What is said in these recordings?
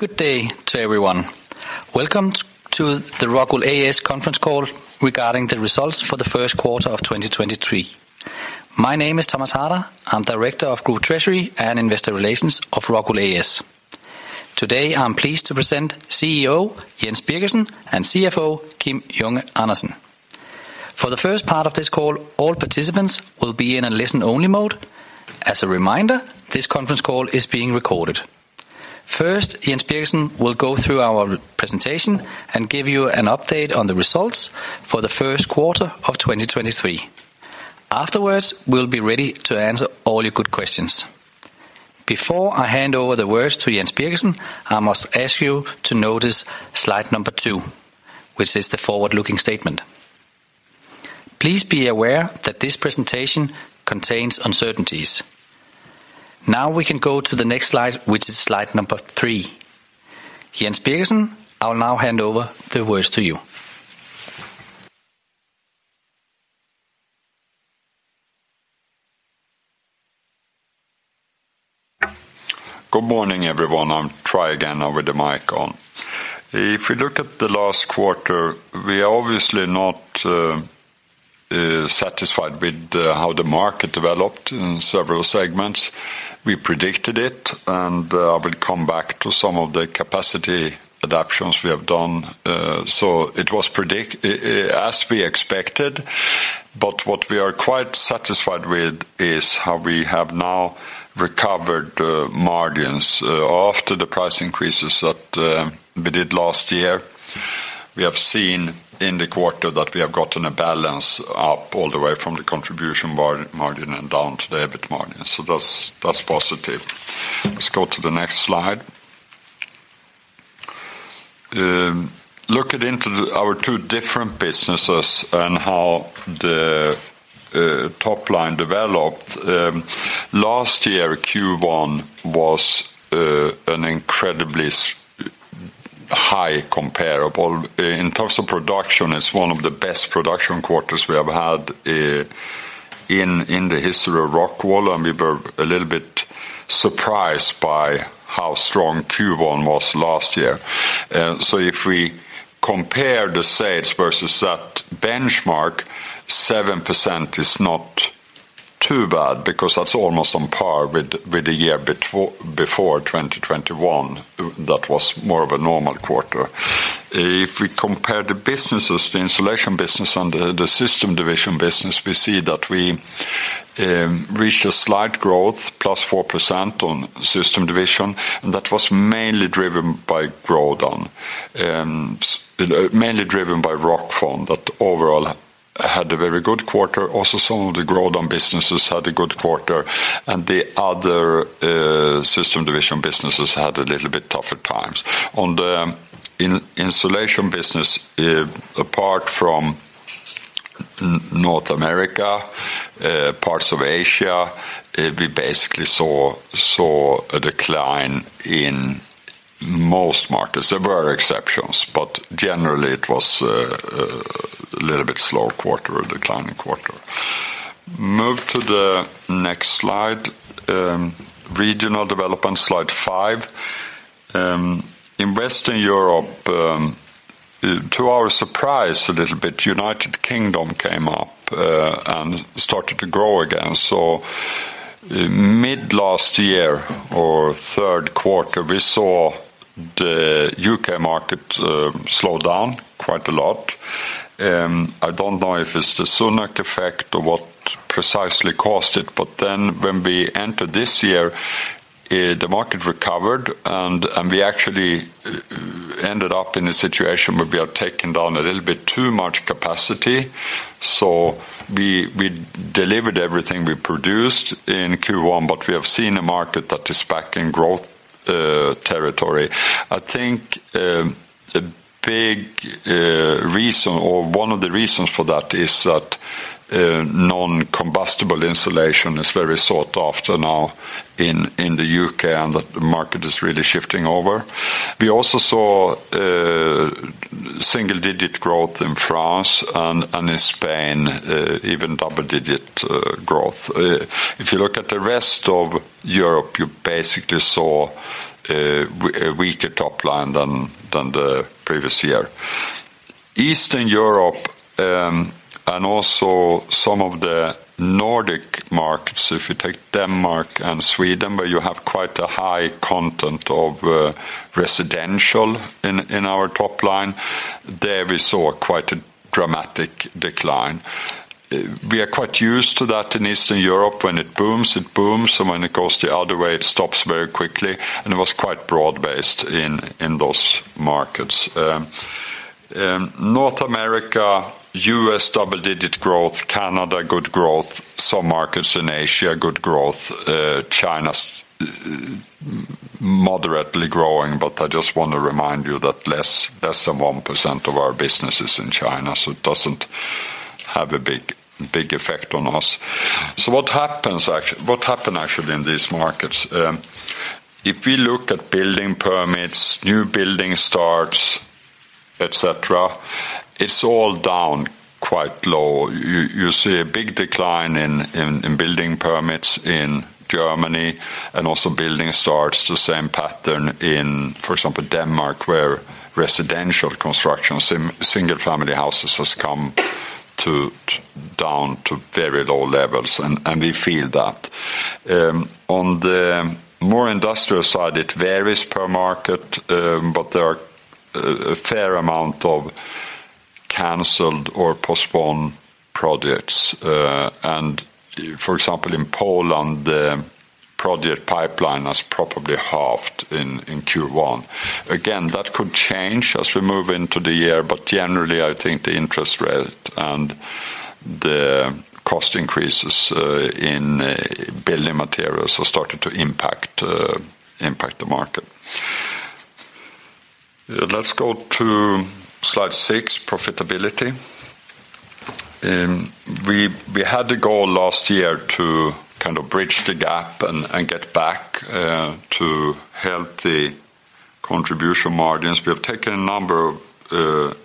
Good day to everyone. Welcome to the Rockwool A/S conference call regarding the results for the first quarter of 2023. My name is Thomas Harder. I'm Director of Group Treasury and Investor Relations of Rockwool A/S. Today, I'm pleased to present CEO Jens Birgersson and CFO Kim Junge Andersen. For the first part of this call, all participants will be in a listen only mode. As a reminder, this conference call is being recorded. First, Jens Birgersson will go through our presentation and give you an update on the results for the first quarter of 2023. Afterwards, we'll be ready to answer all your good questions. Before I hand over the words to Jens Birgersson, I must ask you to notice slide number two, which is the forward-looking statement. Please be aware that this presentation contains uncertainties. We can go to the next slide, which is slide number three. Jens Birgersson, I will now hand over the words to you. Good morning, everyone. I'll try again now with the mic on. If you look at the last quarter, we are obviously not satisfied with how the market developed in several segments. We predicted it, and I will come back to some of the capacity adaptions we have done, so it was as we expected. What we are quite satisfied with is how we have now recovered margins after the price increases that we did last year. We have seen in the quarter that we have gotten a balance up all the way from the contribution margin and down to the EBIT margin. That's positive. Let's go to the next slide. Looking into our two different businesses and how the top line developed, last year, Q1 was an incredibly high comparable. In terms of production, it's one of the best production quarters we have had in the history of Rockwool. We were a little bit surprised by how strong Q1 was last year. If we compare the sales versus that benchmark, 7% is not too bad because that's almost on par with the year before 2021, that was more of a normal quarter. If we compare the businesses, the Insulation business and the System Division business, we see that we reached a slight growth, +4% on System Division, and that was mainly driven by Grodan, mainly driven by Rockfon, that overall had a very good quarter. Some of the Grodan businesses had a good quarter. The other System Division businesses had a little bit tougher times. On the Insulation business, apart from North America, parts of Asia, we basically saw a decline in most markets. There were exceptions, but generally it was a little bit slow quarter, a declining quarter. Move to the next slide, regional development, slide five. In Western Europe, to our surprise a little bit, United Kingdom came up and started to grow again. Mid last year or 3rd quarter, we saw the U.K. market slow down quite a lot. I don't know if it's the Sunak effect or what precisely caused it, but then when we entered this year, the market recovered, and we actually ended up in a situation where we have taken down a little bit too much capacity. We delivered everything we produced in Q1, but we have seen a market that is back in growth territory. I think a big reason or one of the reasons for that is that non-combustible insulation is very sought after now in the UK, and the market is really shifting over. We also saw single-digit growth in France and in Spain, even double-digit growth. If you look at the rest of Europe, you basically saw a weaker top line than the previous year. Eastern Europe, and also some of the Nordic markets, if you take Denmark and Sweden, where you have quite a high content of residential in our top line, there we saw quite a dramatic decline. We are quite used to that in Eastern Europe. When it booms, it booms, when it goes the other way, it stops very quickly, and it was quite broad-based in those markets. North America, US double-digit growth, Canada good growth, some markets in Asia good growth, China's moderately growing, I just want to remind you that less than 1% of our business is in China, it doesn't have a big effect on us. What happened actually in these markets? If we look at building permits, new building starts, et cetera. It's all down quite low. You see a big decline in building permits in Germany, also building starts the same pattern in, for example, Denmark, where residential constructions in single-family houses has come down to very low levels, and we feel that. On the more industrial side, it varies per market, there are a fair amount of canceled or postponed projects. For example, in Poland, the project pipeline has probably halved in Q1. Again, that could change as we move into the year, but generally, I think the interest rate and the cost increases in building materials have started to impact the market. Let's go to slide six, profitability. We had the goal last year to kind of bridge the gap and get back to healthy contribution margins. We have taken a number of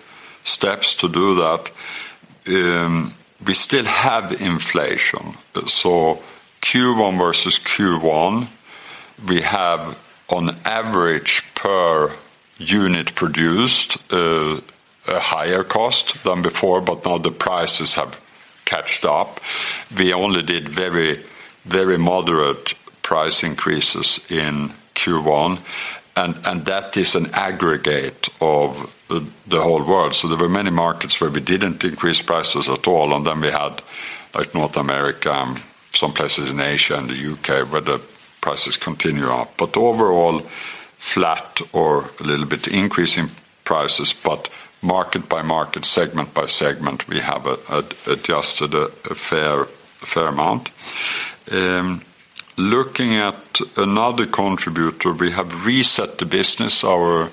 steps to do that. We still have inflation. Q1 versus Q1, we have on average per unit produced a higher cost than before, but now the prices have caught up. We only did very, very moderate price increases in Q1, and that is an aggregate of the whole world. There were many markets where we didn't increase prices at all, then we had, like North America, some places in Asia and the UK, where the prices continue up. Overall, flat or a little bit increase in prices, but market by market, segment by segment, we have adjusted a fair, a fair amount. Looking at another contributor, we have reset the business. Our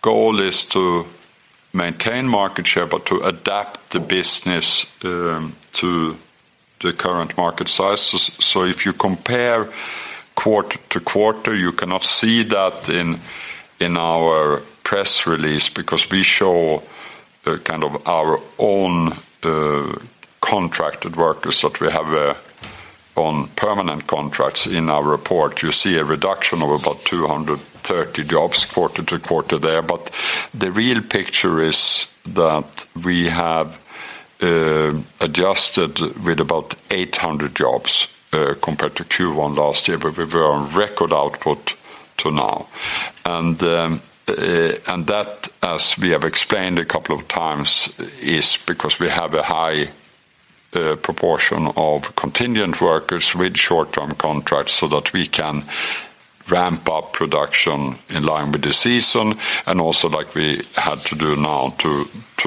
goal is to maintain market share, but to adapt the business to the current market sizes. If you compare quarter to quarter, you cannot see that in our press release because we show, kind of our own, contracted workers that we have, on permanent contracts. In our report, you see a reduction of about 230 jobs quarter-to-quarter there. The real picture is that we have adjusted with about 800 jobs compared to Q1 last year, where we were on record output to now. That, as we have explained a couple of times, is because we have a high proportion of contingent workers with short-term contracts so that we can ramp up production in line with the season, and also like we had to do now to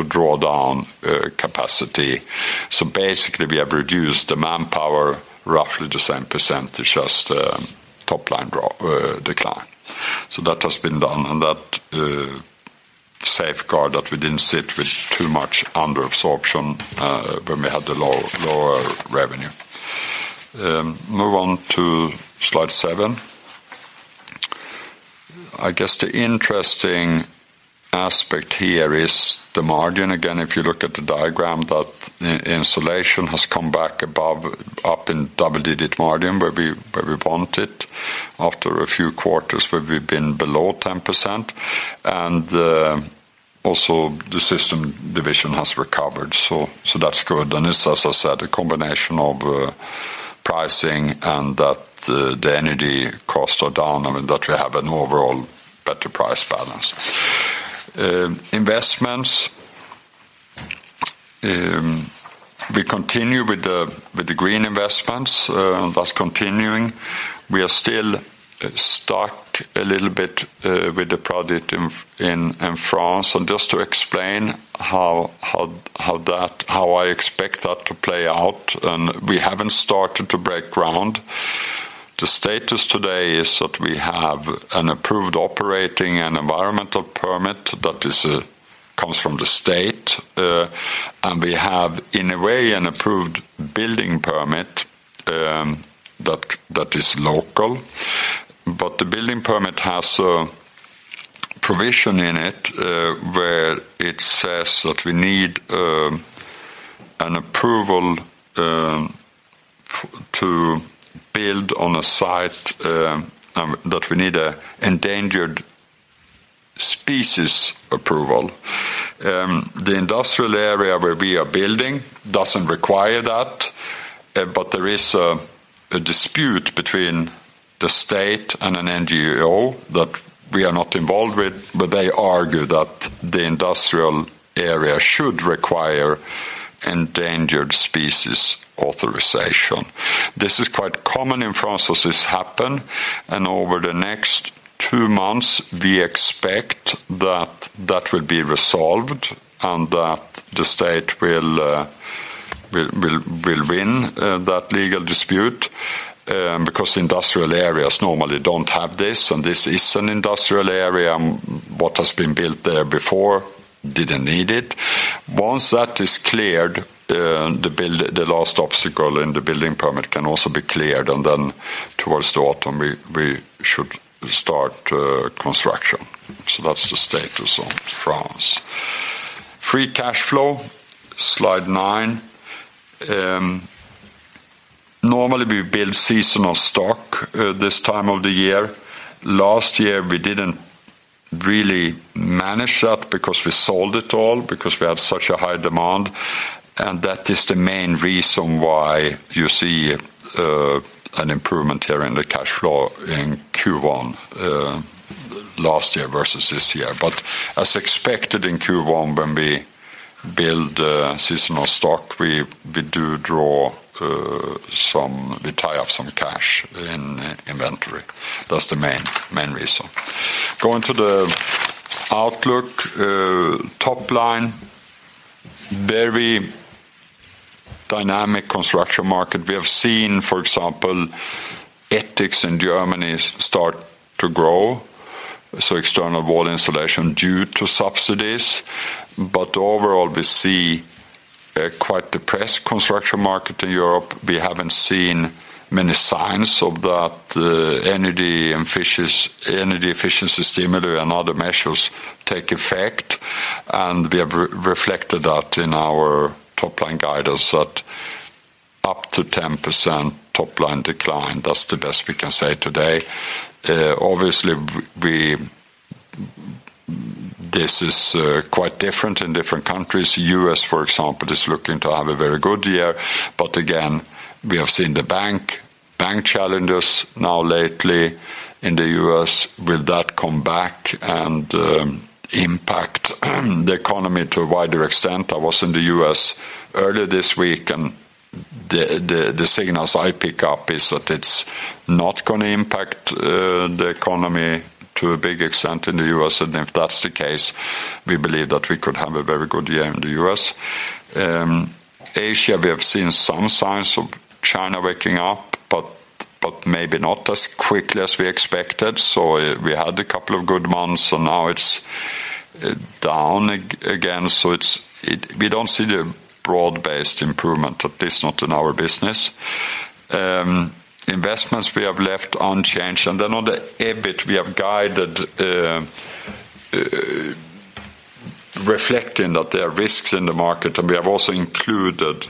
draw down capacity. Basically, we have reduced the manpower roughly the same percentage as the top line drop, decline. That has been done, and that safeguard that we didn't sit with too much under absorption when we had the lower revenue. Move on to slide seven. I guess the interesting aspect here is the margin. Again, if you look at the diagram that Insulation has come back above, up in double-digit margin where we want it after a few quarters where we've been below 10%. Also the Systems Division has recovered, so that's good. It's, as I said, a combination of pricing and that the energy costs are down, I mean, that we have an overall better price balance. Investments. We continue with the green investments, and that's continuing. We are still stuck a little bit with the project in France. Just to explain how I expect that to play out. We haven't started to break ground. The status today is that we have an approved operating and environmental permit that is comes from the state, and we have, in a way, an approved building permit, that is local. The building permit has a provision in it where it says that we need an approval to build on a site that we need a endangered species approval. The industrial area where we are building doesn't require that, but there is a dispute between the state and an NGO that we are not involved with, but they argue that the industrial area should require endangered species authorization. This is quite common in France, so this happen. Over the next two months, we expect that that will be resolved, and that the state will win that legal dispute, because industrial areas normally don't have this, and this is an industrial area. What has been built there before didn't need it. Once that is cleared, the last obstacle in the building permit can also be cleared, and then, towards the autumn, we should start construction. That's the status on France. Free cash flow, slide nine. Normally, we build seasonal stock this time of the year. Last year, we didn't really manage that because we sold it all, because we had such a high demand, and that is the main reason why you see an improvement here in the cash flow in Q1 last year versus this year. As expected, in Q1, when we build seasonal stock, we do draw, we tie up some cash in inventory. That's the main reason. Going to the outlook, top line, very dynamic construction market. We have seen, for example, ETICS in Germany start to grow, so external wall insulation due to subsidies. Overall, we see a quite depressed construction market in Europe. We haven't seen many signs of that, energy and energy efficiency stimuli and other measures take effect, and we have re-reflected that in our top-line guidance that up to 10% top-line decline. That's the best we can say today. Obviously, this is quite different in different countries. U.S., for example, is looking to have a very good year. Again, we have seen the bank challenges now lately in the U.S. Will that come back and impact the economy to a wider extent? I was in the U.S earlier this week, the signals I pick up is that it's not gonna impact the economy to a big extent in the U.S. If that's the case, we believe that we could have a very good year in the U.S. Asia, we have seen some signs of China waking up, but maybe not as quickly as we expected. We had a couple of good months, now it's down again. We don't see the broad-based improvement, at least not in our business. Investments we have left unchanged. On the EBIT, we have guided, reflecting that there are risks in the market, and we have also included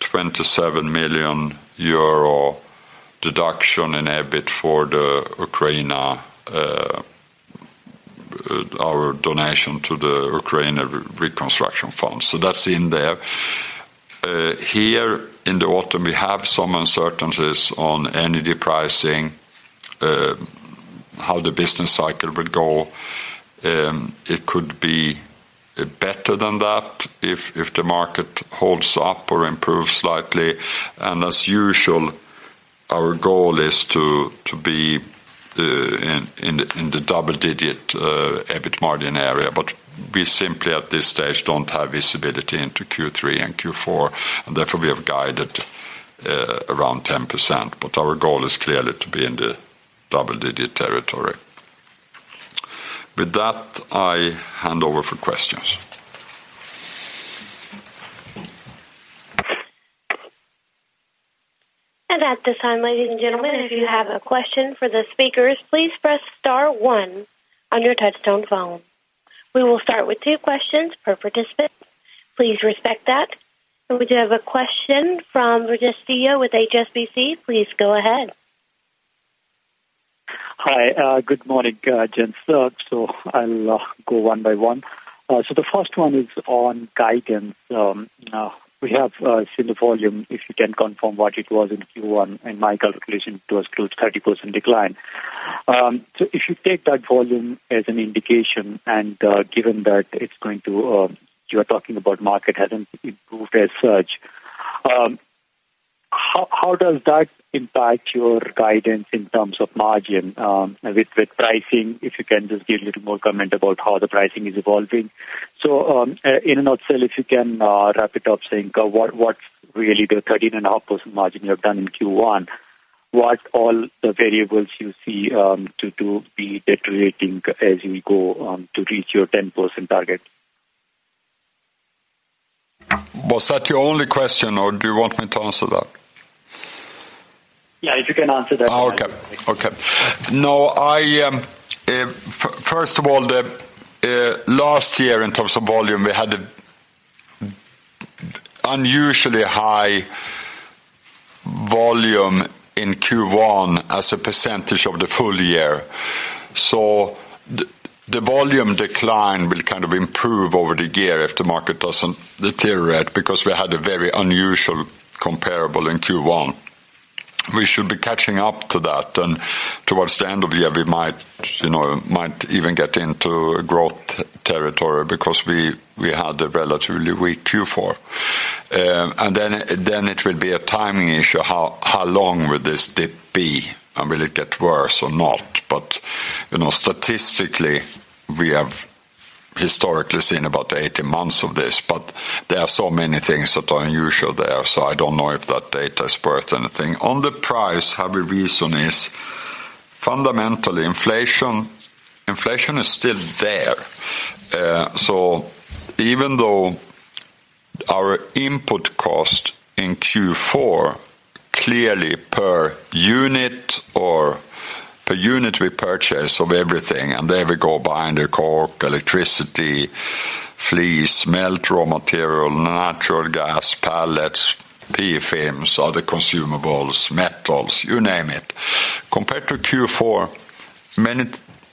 27 million euro deduction in EBIT for the Ukraine, our donation to the Ukraine Reconstruction Fund. That's in there. Here in the autumn, we have some uncertainties on energy pricing, how the business cycle will go. It could be better than that if the market holds up or improves slightly. As usual, our goal is to be in the double-digit EBIT margin area. We simply, at this stage, don't have visibility into Q3 and Q4, and therefore, we have guided around 10%. Our goal is clearly to be in the double-digit territory. With that, I hand over for questions. At this time, ladies and gentlemen, if you have a question for the speakers, please press star one on your touchtone phone. We will start with two questions per participant. Please respect that. We do have a question from Rémi Tiraud with HSBC. Please go ahead. Hi. Good morning, gents. I'll go one by one. The first one is on guidance. Now we have seen the volume, if you can confirm what it was in Q1, my calculation was close to 30% decline. If you take that volume as an indication, given that it's going to you're talking about market hasn't improved as such, how does that impact your guidance in terms of margin, with pricing? If you can just give a little more comment about how the pricing is evolving? In a nutshell, if you can, wrap it up saying, what's really the 13.5% margin you have done in Q1, what all the variables you see, to be deteriorating as you go, to reach your 10% target? Was that your only question, or do you want me to answer that? Yeah, if you can answer that one. I, first of all, the last year in terms of volume, we had unusually high volume in Q1 as a percentage of the full year. The volume decline will kind of improve over the year if the market doesn't deteriorate, because we had a very unusual comparable in Q1. We should be catching up to that, and towards the end of the year, we might, you know, might even get into growth territory because we had a relatively weak Q4. Then it will be a timing issue, how long will this dip be, and will it get worse or not? You know, statistically, we have historically seen about 18 months of this, but there are so many things that are unusual there, so I don't know if that data is worth anything. On the price, heavy reason is fundamentally inflation is still there. So even though our input cost in Q4 clearly per unit or per unit we purchase of everything, and there we go behind the coke, electricity, fleece, melt raw material, natural gas, pallets, PE films, other consumables, metals, you name it. Compared to Q4,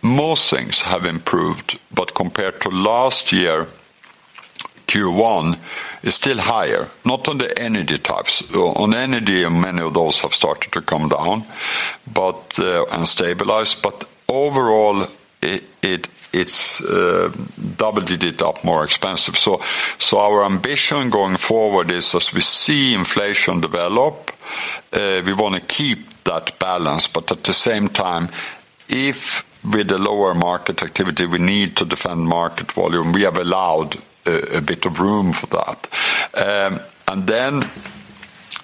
most things have improved, but compared to last year, Q1 is still higher, not on the energy types. On energy, many of those have started to come down, but and stabilize. Overall, it's double-digit up more expensive. Our ambition going forward is as we see inflation develop, we want to keep that balance. At the same time, if with the lower market activity, we need to defend market volume, we have allowed a bit of room for that.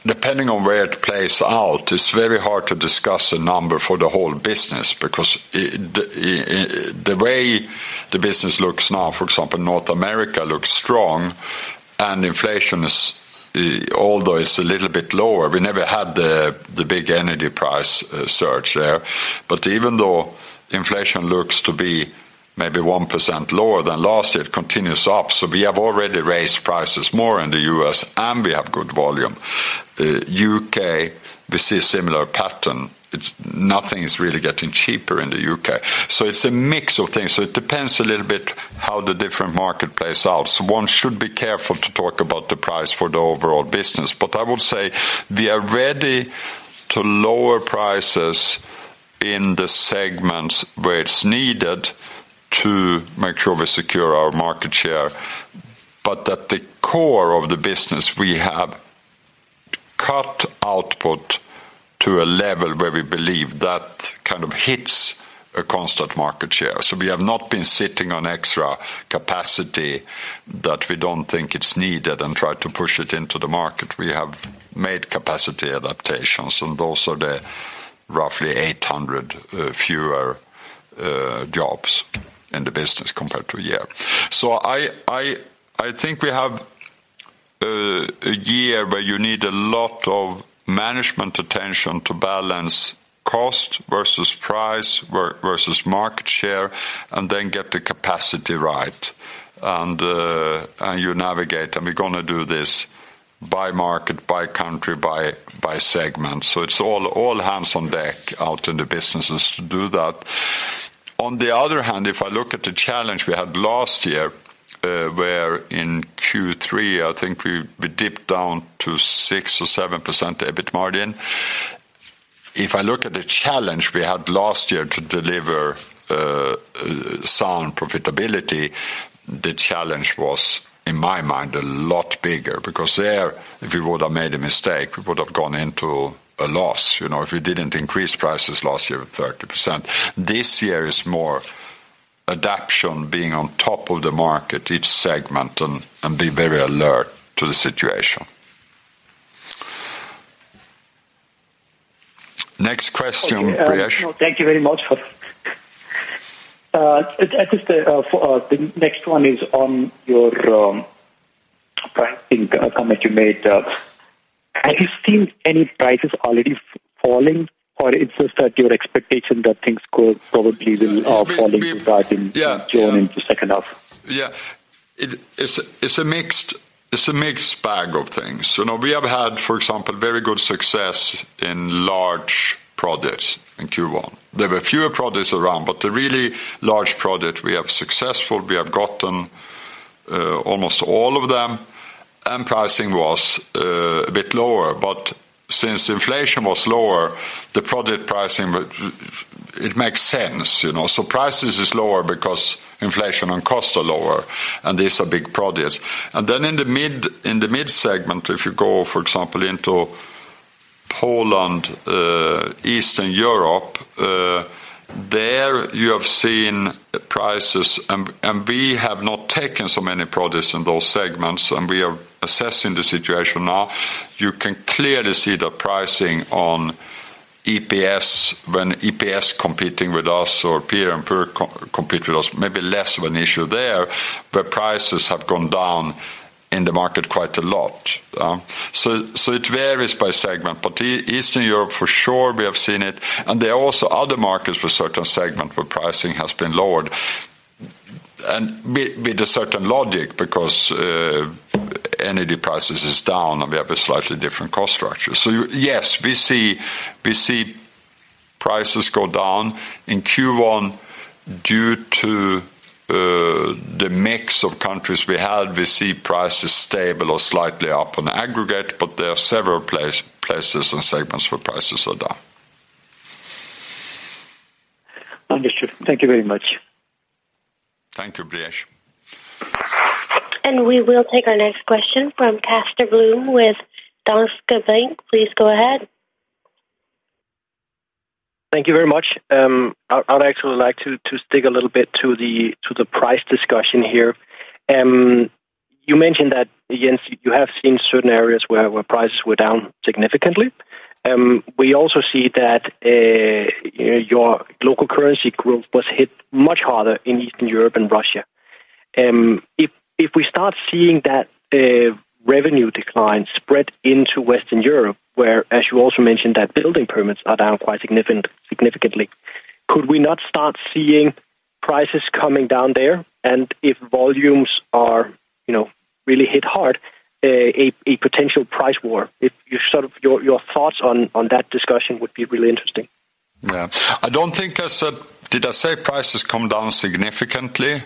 Depending on where it plays out, it's very hard to discuss a number for the whole business because the way the business looks now, for example, North America looks strong and inflation is, although it's a little bit lower, we never had the big energy price surge there. Even though inflation looks to be maybe 1% lower than last year, it continues up. We have already raised prices more in the U.S., and we have good volume. U.K., we see a similar pattern. Nothing is really getting cheaper in the U.K. It's a mix of things. It depends a little bit how the different market plays out. One should be careful to talk about the price for the overall business. I would say we are ready to lower prices in the segments where it's needed to make sure we secure our market share. At the core of the business, we have cut output to a level where we believe that kind of hits a constant market share. We have not been sitting on extra capacity that we don't think it's needed and try to push it into the market. We have made capacity adaptations, and those are the roughly 800 fewer jobs in the business compared to a year. I think we have a year where you need a lot of management attention to balance cost versus price versus market share and then get the capacity right. You navigate, and we're gonna do this by market, by country, by segment. It's all hands on deck out in the businesses to do that. On the other hand, if I look at the challenge we had last year, where in Q3, I think we dipped down to 6% or 7% EBIT margin. If I look at the challenge we had last year to deliver sound profitability, the challenge was, in my mind, a lot bigger because there, if we would have made a mistake, we would have gone into a loss, you know, if we didn't increase prices last year with 30%. This year is more adaptation being on top of the market, each segment, and be very alert to the situation. Next question, Priyesh. Thank you very much for. Just for the next one is on your pricing comment you made. Have you seen any prices already falling, or it's just that your expectation that things could probably will fall into that in June into second half? Yeah. It's a mixed bag of things. You know, we have had, for example, very good success in large projects in Q1. There were fewer projects around, but the really large project we have successful, we have gotten almost all of them, and pricing was a bit lower. Since inflation was lower, the project pricing, it makes sense, you know. Prices is lower because inflation and costs are lower, and these are big projects. Then in the mid segment, if you go, for example, into Poland, Eastern Europe, there you have seen prices, and we have not taken so many projects in those segments, and we are assessing the situation now. You can clearly see the pricing on EPS when EPS competing with us or peer and peer compete with us, maybe less of an issue there, prices have gone down in the market quite a lot. It varies by segment. Eastern Europe for sure, we have seen it, there are also other markets with certain segment where pricing has been lowered, with a certain logic because energy prices is down, we have a slightly different cost structure. Yes, we see prices go down. In Q1 due to the mix of countries we had, we see prices stable or slightly up on aggregate, there are several places and segments where prices are down. Understood. Thank you very much. Thank you, Priyesh. We will take our next question from Casper Blom with Danske Bank. Please go ahead. Thank you very much. I'd actually like to stick a little bit to the price discussion here. You mentioned that, Jens, you have seen certain areas where prices were down significantly. We also see that your local currency growth was hit much harder in Eastern Europe and Russia. If we start seeing that revenue decline spread into Western Europe, where as you also mentioned that building permits are down quite significantly, could we not start seeing prices coming down there? If volumes are, you know, really hit hard, a potential price war? Your thoughts on that discussion would be really interesting. Yeah. I don't think I said. Did I say prices come down significantly?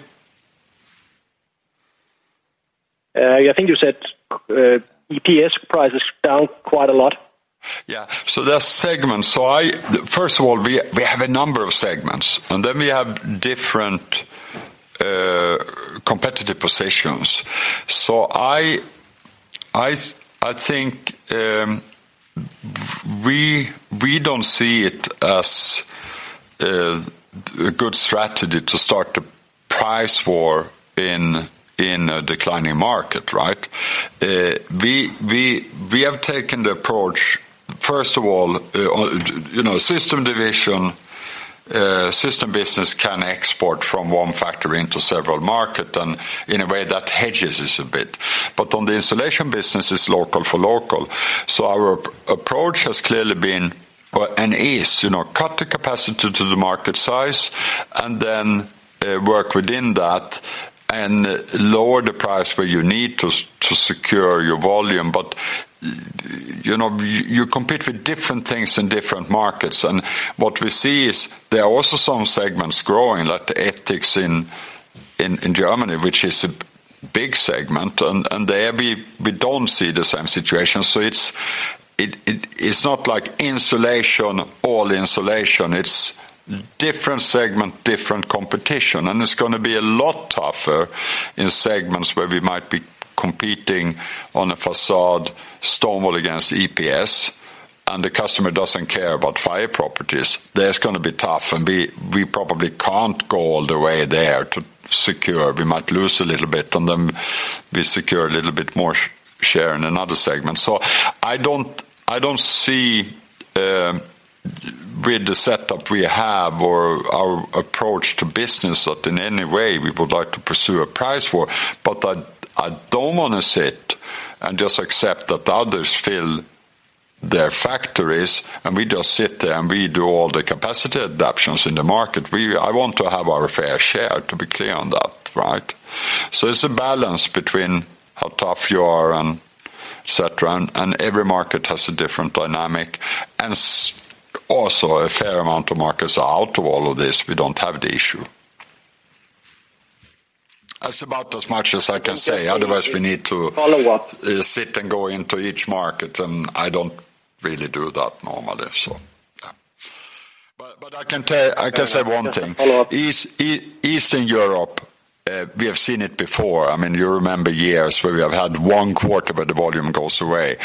Yeah, I think you said, EPS prices down quite a lot. There's segments. First of all, we have a number of segments, and then we have different competitive positions. I think we don't see it as a good strategy to start a price war in a declining market, right? We have taken the approach, first of all, you know, Systems Division, system business can export from one factory into several market, and in a way that hedges us a bit. On the installation business, it's local for local. Our approach has clearly been, well, and is, you know, cut the capacity to the market size and then work within that and lower the price where you need to secure your volume. You know, you compete with different things in different markets. What we see is there are also some segments growing, like the ETICS in Germany, which is a big segment, and there we don't see the same situation. It's not like insulation, all insulation. It's different segment, different competition, and it's gonna be a lot tougher in segments where we might be competing on a facade, stone wool against EPS, and the customer doesn't care about fire properties. That's gonna be tough, and we probably can't go all the way there to secure. We might lose a little bit, and then we secure a little bit more share in another segment. I don't see with the setup we have or our approach to business that in any way we would like to pursue a price war. I don't wanna sit and just accept that others fill their factories, and we just sit there, and we do all the capacity adaptions in the market. I want to have our fair share, to be clear on that, right? It's a balance between how tough you are and et cetera, and every market has a different dynamic. Also a fair amount of markets are out of all of this. We don't have the issue. That's about as much as I can say. Otherwise, we need to. Follow-up. Sit and go into each market, and I don't really do that normally, so yeah. I can say one thing. Follow-up. Eastern Europe, we have seen it before. I mean, you remember years where we have had 1 quarter, but the volume goes away.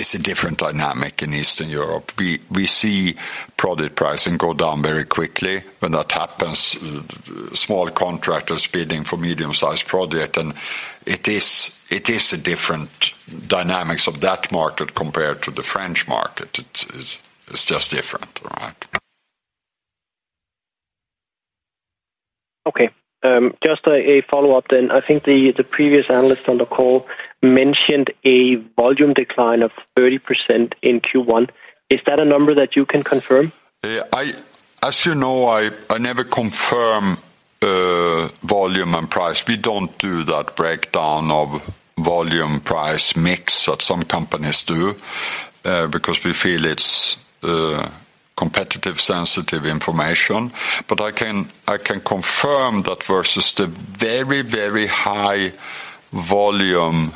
It's a different dynamic in Eastern Europe. We see product pricing go down very quickly. When that happens, small contractors bidding for medium-sized project, and it is a different dynamics of that market compared to the French market. It's just different, all right? Okay. just a follow-up then. I think the previous analyst on the call mentioned a volume decline of 30% in Q1. Is that a number that you can confirm? Yeah, as you know, I never confirm volume and price. We don't do that breakdown of volume-price mix that some companies do because we feel it's competitive sensitive information. But I can confirm that versus the very, very high volume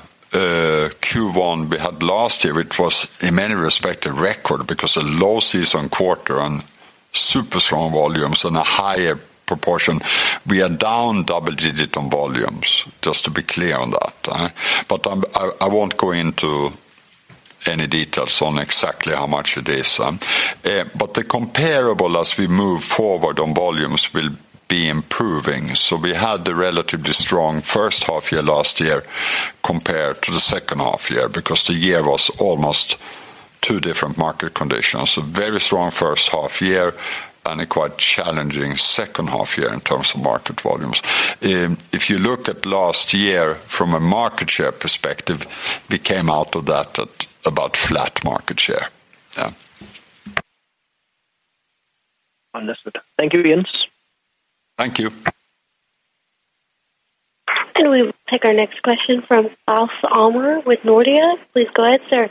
Q1 we had last year, it was in many respect a record because a low season quarter and super strong volumes and a higher proportion, we are down double digit on volumes, just to be clear on that. But I won't go into any details on exactly how much it is. But the comparable as we move forward on volumes will be improving. We had the relatively strong first half year last year compared to the second half year because the year was almost two different market conditions. A very strong first half year and a quite challenging second half year in terms of market volumes. If you look at last year from a market share perspective, we came out of that at about flat market share. Yeah. Understood. Thank you, Jens. Thank you. We'll take our next question from Claus Almer with Nordea. Please go ahead, sir.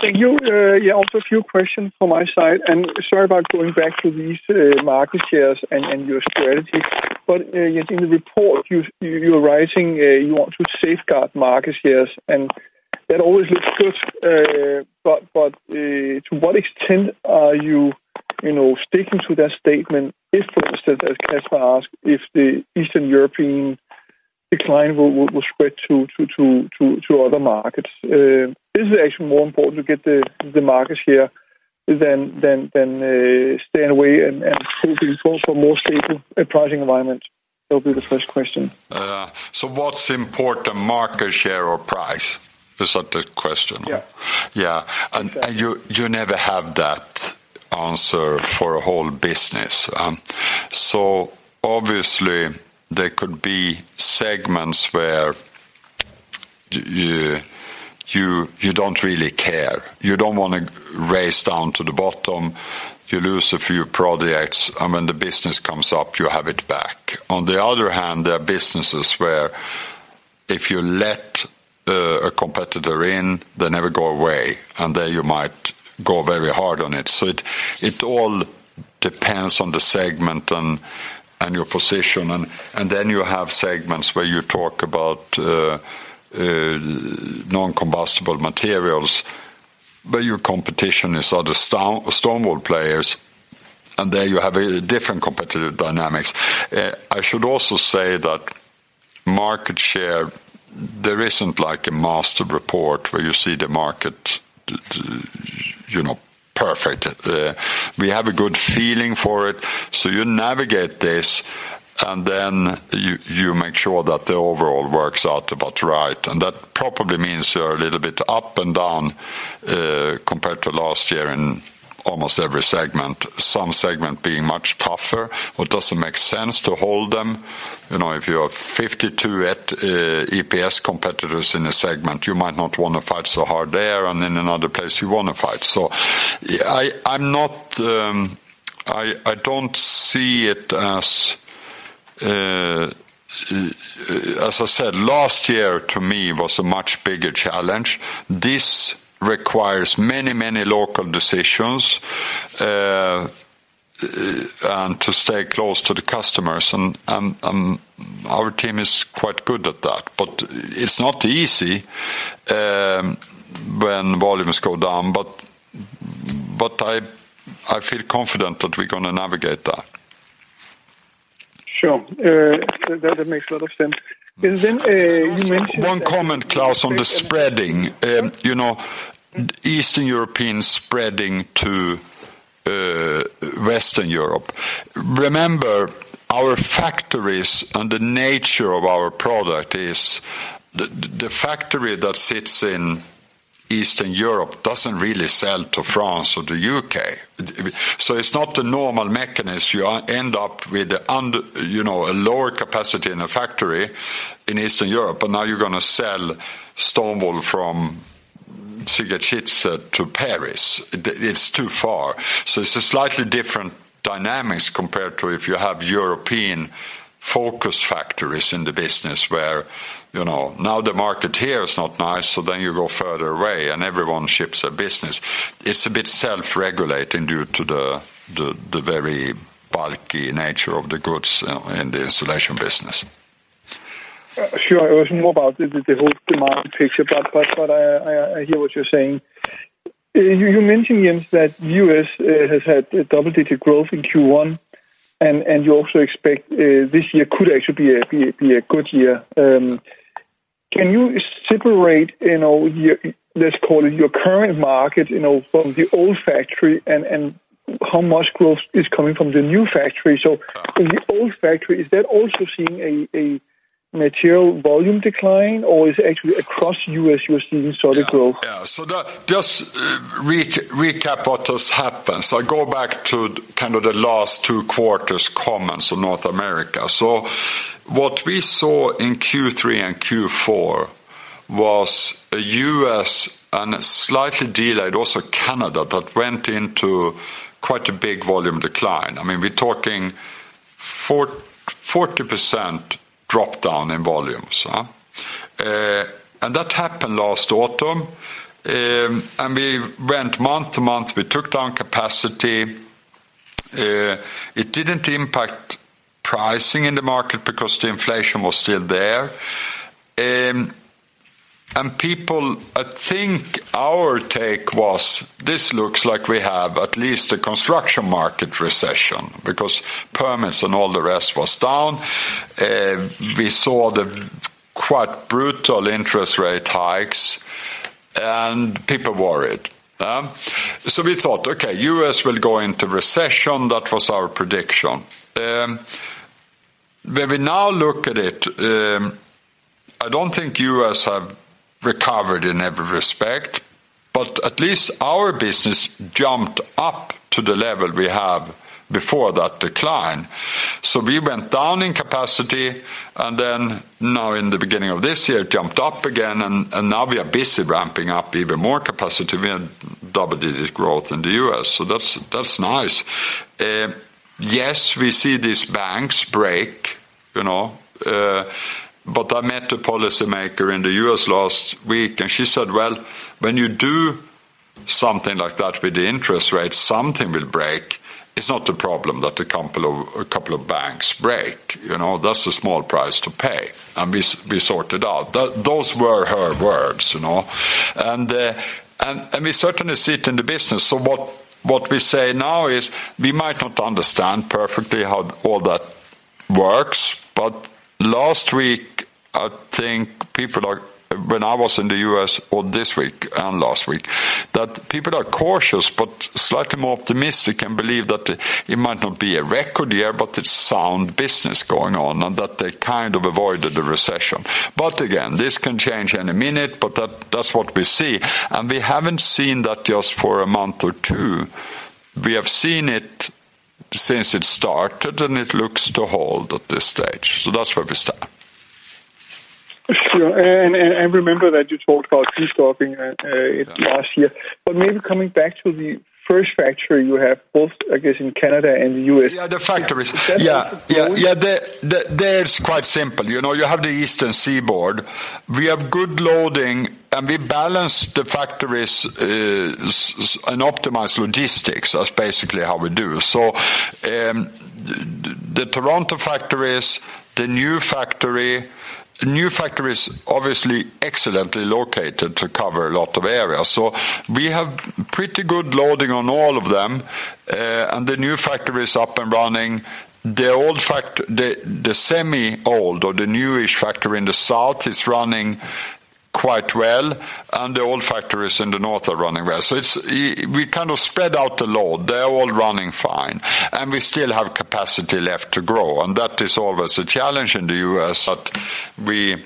Thank you. Yeah, also a few questions from my side. Sorry about going back to these market shares and your strategy. In the report you're writing, you want to safeguard market shares, and that always looks good. But to what extent are you know, sticking to that statement if, for instance, as Casper asked, if the Eastern European decline will spread to other markets? Is it actually more important to get the market share then stay away and hoping for more stable pricing environment? That would be the first question. What's important, market share or price? Is that the question? Yeah. Yeah. You never have that answer for a whole business. Obviously there could be segments where you don't really care. You don't wanna race down to the bottom, you lose a few projects, and when the business comes up, you have it back. On the other hand, there are businesses where if you let a competitor in, they never go away, and there you might go very hard on it. It all depends on the segment and your position. Then you have segments where you talk about non-combustible materials, where your competition is other stone wool players, and there you have a different competitive dynamics. I should also say that market share, there isn't like a master report where you see the market, you know, perfect. We have a good feeling for it, so you navigate this, and then you make sure that the overall works out about right. That probably means you're a little bit up and down, compared to last year in almost every segment, some segment being much tougher. What doesn't make sense to hold them, you know, if you have 52 at EPS competitors in a segment, you might not wanna fight so hard there, and in another place you wanna fight. I'm not. I don't see it as. As I said, last year to me was a much bigger challenge. This requires many, many local decisions, and to stay close to the customers, and our team is quite good at that. It's not easy, when volumes go down, but I feel confident that we're gonna navigate that. Sure. That makes a lot of sense. You mentioned. One comment, Claus, on the spreading. You know, Eastern Europeans spreading to Western Europe. Remember our factories and the nature of our product is the factory that sits in Eastern Europe doesn't really sell to France or the U.K. It's not a normal mechanism. You end up with, you know, a lower capacity in a factory in Eastern Europe, but now you're gonna sell stone wool from Sighetu Marmației to Paris. It's too far. It's a slightly different dynamics compared to if you have European-focused factories in the business where, you know, now the market here is not nice, so then you go further away, and everyone ships a business. It's a bit self-regulating due to the very bulky nature of the goods in the installation business. Sure. I wasn't worried about the whole demand picture, but I hear what you're saying. You mentioned, Jens, that U.S. has had double-digit growth in Q1, and you also expect this year could actually be a good year. Can you separate, you know, let's call it your current market, you know, from the old factory and how much growth is coming from the new factory? In the old factory, is that also seeing a material volume decline, or is it actually across U.S. you're seeing sort of growth? Yeah. Just recap what has happened. I go back to kind of the last two quarters' comments on North America. What we saw in Q3 and Q4 was a U.S., and slightly delayed also Canada, that went into quite a big volume decline. I mean, we're talking 40% drop-down in volumes, huh? That happened last autumn, we went month-to-month, we took down capacity. It didn't impact pricing in the market because the inflation was still there. I think our take was, this looks like we have at least a construction market recession because permits and all the rest was down. We saw the quite brutal interest rate hikes, people worried, huh? We thought, okay, U.S. will go into recession. That was our prediction. When we now look at it, I don't think U.S. have recovered in every respect, but at least our business jumped up to the level we have before that decline. We went down in capacity, and then now in the beginning of this year, jumped up again, and now we are busy ramping up even more capacity. We have double-digit growth in the U.S., so that's nice. Yes, we see these banks break, you know, but I met a policymaker in the U.S. last week, and she said, "Well, when you do something like that with the interest rates, something will break. It's not a problem that a couple of banks break. You know, that's a small price to pay, and we sort it out." Those were her words, you know? We certainly see it in the business. What we say now is we might not understand perfectly how all that works. Last week, I think people are when I was in the U.S. or this week and last week, that people are cautious but slightly more optimistic and believe that it might not be a record year, but it's sound business going on and that they kind of avoided the recession. Again, this can change any minute, but that's what we see. We haven't seen that just for a month or two. We have seen it since it started, and it looks to hold at this stage. That's where we stand. Sure. I remember that you talked about restocking, last year. Maybe coming back to the first factory you have both, I guess, in Canada and the U.S. Yeah, the factories. Yeah. Yeah. Yeah. There, it's quite simple. You know, you have the Eastern Seaboard. We have good loading, and we balance the factories and optimize logistics. That's basically how we do. The Toronto factories, the new factory is obviously excellently located to cover a lot of areas. We have pretty good loading on all of them, and the new factory is up and running. The semi-old or the newish factory in the south is running quite well, and the old factories in the north are running well. We kind of spread out the load. They're all running fine, and we still have capacity left to grow. That is always a challenge in the U.S, but we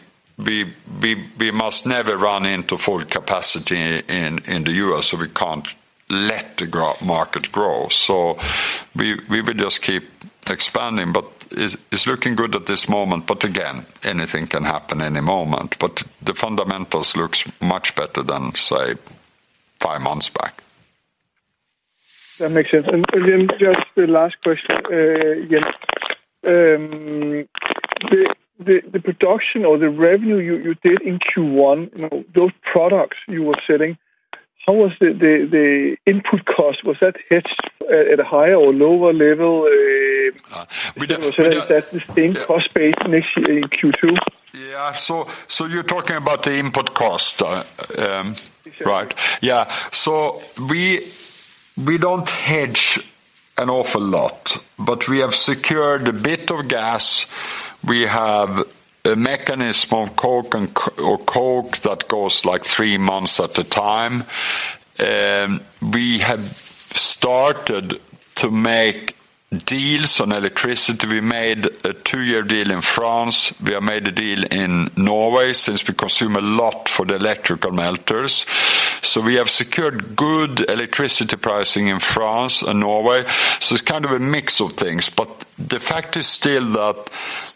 must never run into full capacity in the U.S, so we can't let the market grow. We will just keep expanding, but it's looking good at this moment. Again, anything can happen any moment. The fundamentals looks much better than, say, five months back. That makes sense. Just the last question, again. The production or the revenue you did in Q1, you know, those products you were selling, how was the input cost? Was that hedged at a higher or lower level? We don't- Is that the same cost base next year in Q2? Yeah. you're talking about the input cost, Exactly. Right. Yeah. We don't hedge an awful lot, but we have secured a bit of gas. We have a mechanism of coke or coke that goes, like, three months at a time. We have started to make deals on electricity. We made a 2-year deal in France. We have made a deal in Norway since we consume a lot for the electrical melters. We have secured good electricity pricing in France and Norway. It's kind of a mix of things, but the fact is still that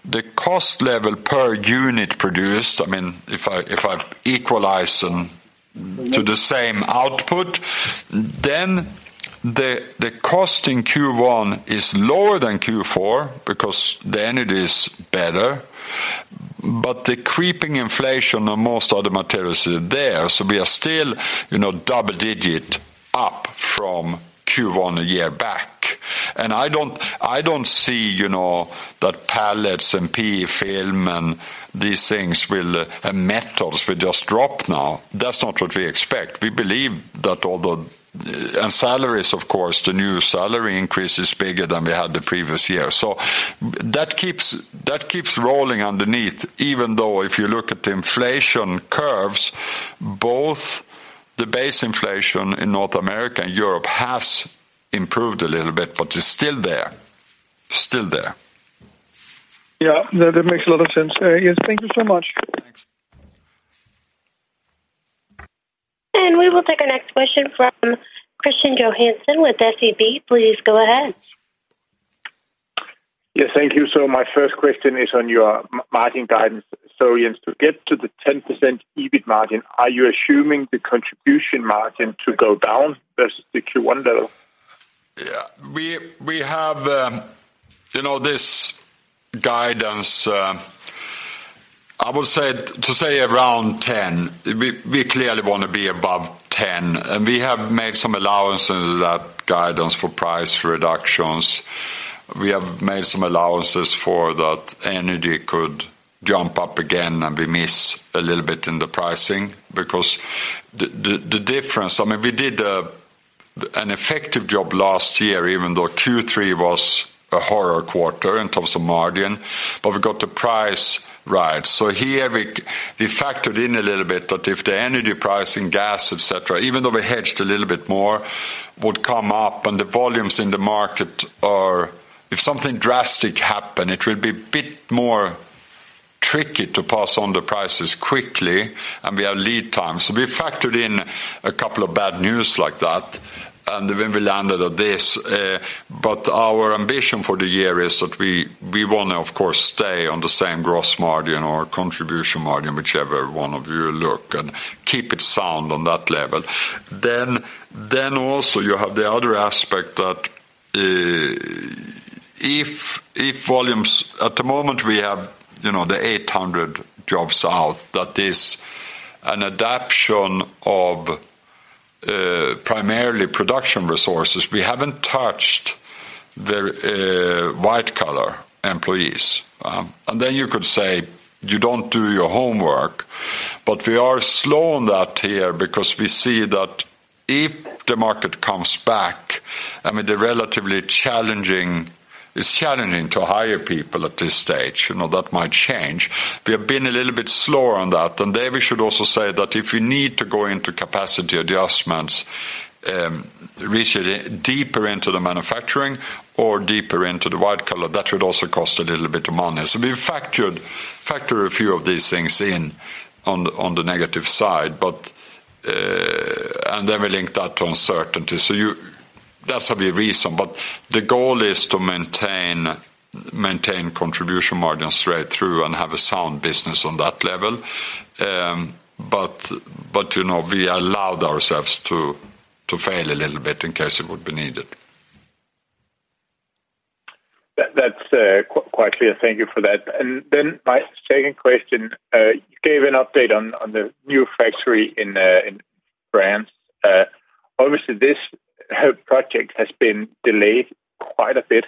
the cost level per unit produced, I mean, if I equalize them to the same output, then the cost in Q1 is lower than Q4 because the energy is better, but the creeping inflation on most of the materials are there. We are still, you know, double-digit up from Q1 a year back. I don't see, you know, that pallets and PE film and these things and metals will just drop now. That's not what we expect. Salaries, of course, the new salary increase is bigger than we had the previous year. That keeps rolling underneath, even though if you look at inflation curves, both the base inflation in North America and Europe has improved a little bit, but it's still there. Still there. Yeah. That makes a lot of sense. Yes. Thank you so much. Thanks. We will take our next question from Christian Johansen with SEB. Please go ahead. Yes. Thank you. My first question is on your marketing guidance. Jens, to get to the 10% EBIT margin, are you assuming the contribution margin to go down versus the Q1 level? We have, you know, this guidance, I would say around 10. We clearly wanna be above 10, and we have made some allowances to that guidance for price reductions. We have made some allowances for that energy could jump up again, and we miss a little bit in the pricing because the difference. I mean, we did an effective job last year, even though Q3 was a horror quarter in terms of margin, but we got the price right. Here we factored in a little bit that if the energy price in gas, et cetera, even though we hedged a little bit more, would come up and the volumes in the market are... If something drastic happen, it will be bit more tricky to pass on the prices quickly, and we have lead time. We factored in a couple of bad news like that, and then we landed on this. Our ambition for the year is that we wanna, of course, stay on the same gross margin or contribution margin, whichever one of you look, and keep it sound on that level. Also you have the other aspect that, if volumes At the moment, we have, you know, the 800 jobs out. That is an adaption of primarily production resources. We haven't touched the white-collar employees. You could say, you don't do your homework. We are slow on that here because we see that if the market comes back, I mean, it's challenging to hire people at this stage, you know, that might change. We have been a little bit slower on that. There we should also say that if we need to go into capacity adjustments, reach it deeper into the manufacturing or deeper into the stone wool, that should also cost a little bit of money. We factored, factor a few of these things in on the negative side. Then we link that to uncertainty. That's a big reason. The goal is to maintain contribution margins straight through and have a sound business on that level. You know, we allowed ourselves to fail a little bit in case it would be needed. That's quite clear. Thank you for that. My second question, you gave an update on the new factory in France. Obviously, this project has been delayed quite a bit.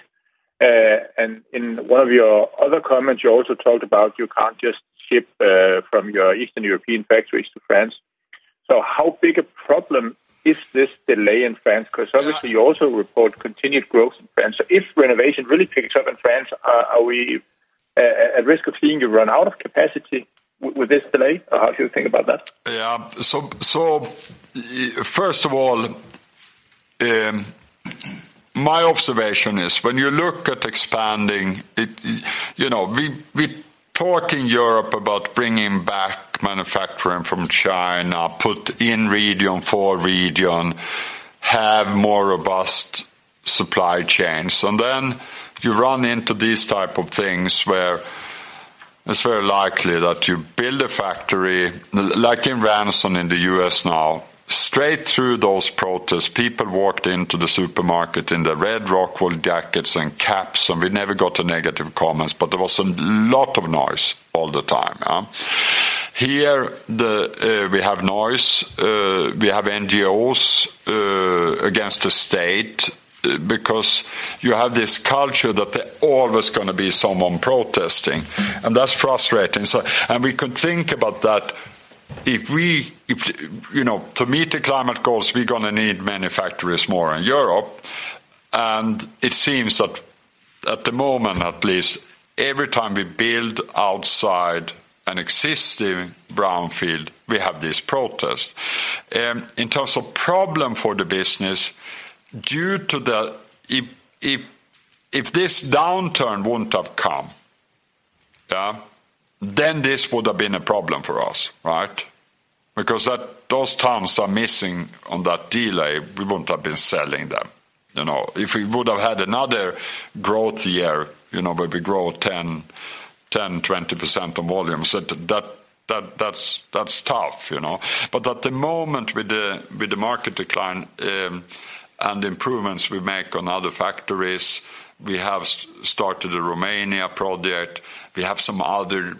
In one of your other comments, you also talked about you can't just ship from your Eastern European factories to France. How big a problem is this delay in France? Obviously you also report continued growth in France. If renovation really picks up in France, are we at risk of seeing you run out of capacity with this delay? How do you think about that? Yeah. First of all, my observation is when you look at expanding, it, you know, we talk in Europe about bringing back manufacturing from China, put in region, for region, have more robust supply chains. Then you run into these type of things where it's very likely that you build a factory, like in Ranson in the US now, straight through those protests, people walked into the supermarket in the red Rockwool jackets and caps, and we never got the negative comments, but there was a lot of noise all the time. Here, the, we have noise, we have NGOs against the state because you have this culture that there always gonna be someone protesting, and that's frustrating. We can think about that if, you know, to meet the climate goals, we're gonna need manufacturers more in Europe. It seems that at the moment, at least, every time we build outside an existing brownfield, we have this protest. In terms of problem for the business, If this downturn wouldn't have come, yeah, then this would have been a problem for us, right? Because those terms are missing on that delay, we wouldn't have been selling them, you know. If we would have had another growth year, you know, where we grow 10, 20% of volumes, that's tough, you know. At the moment with the, with the market decline, and improvements we make on other factories, we have started the Romania project, we have some other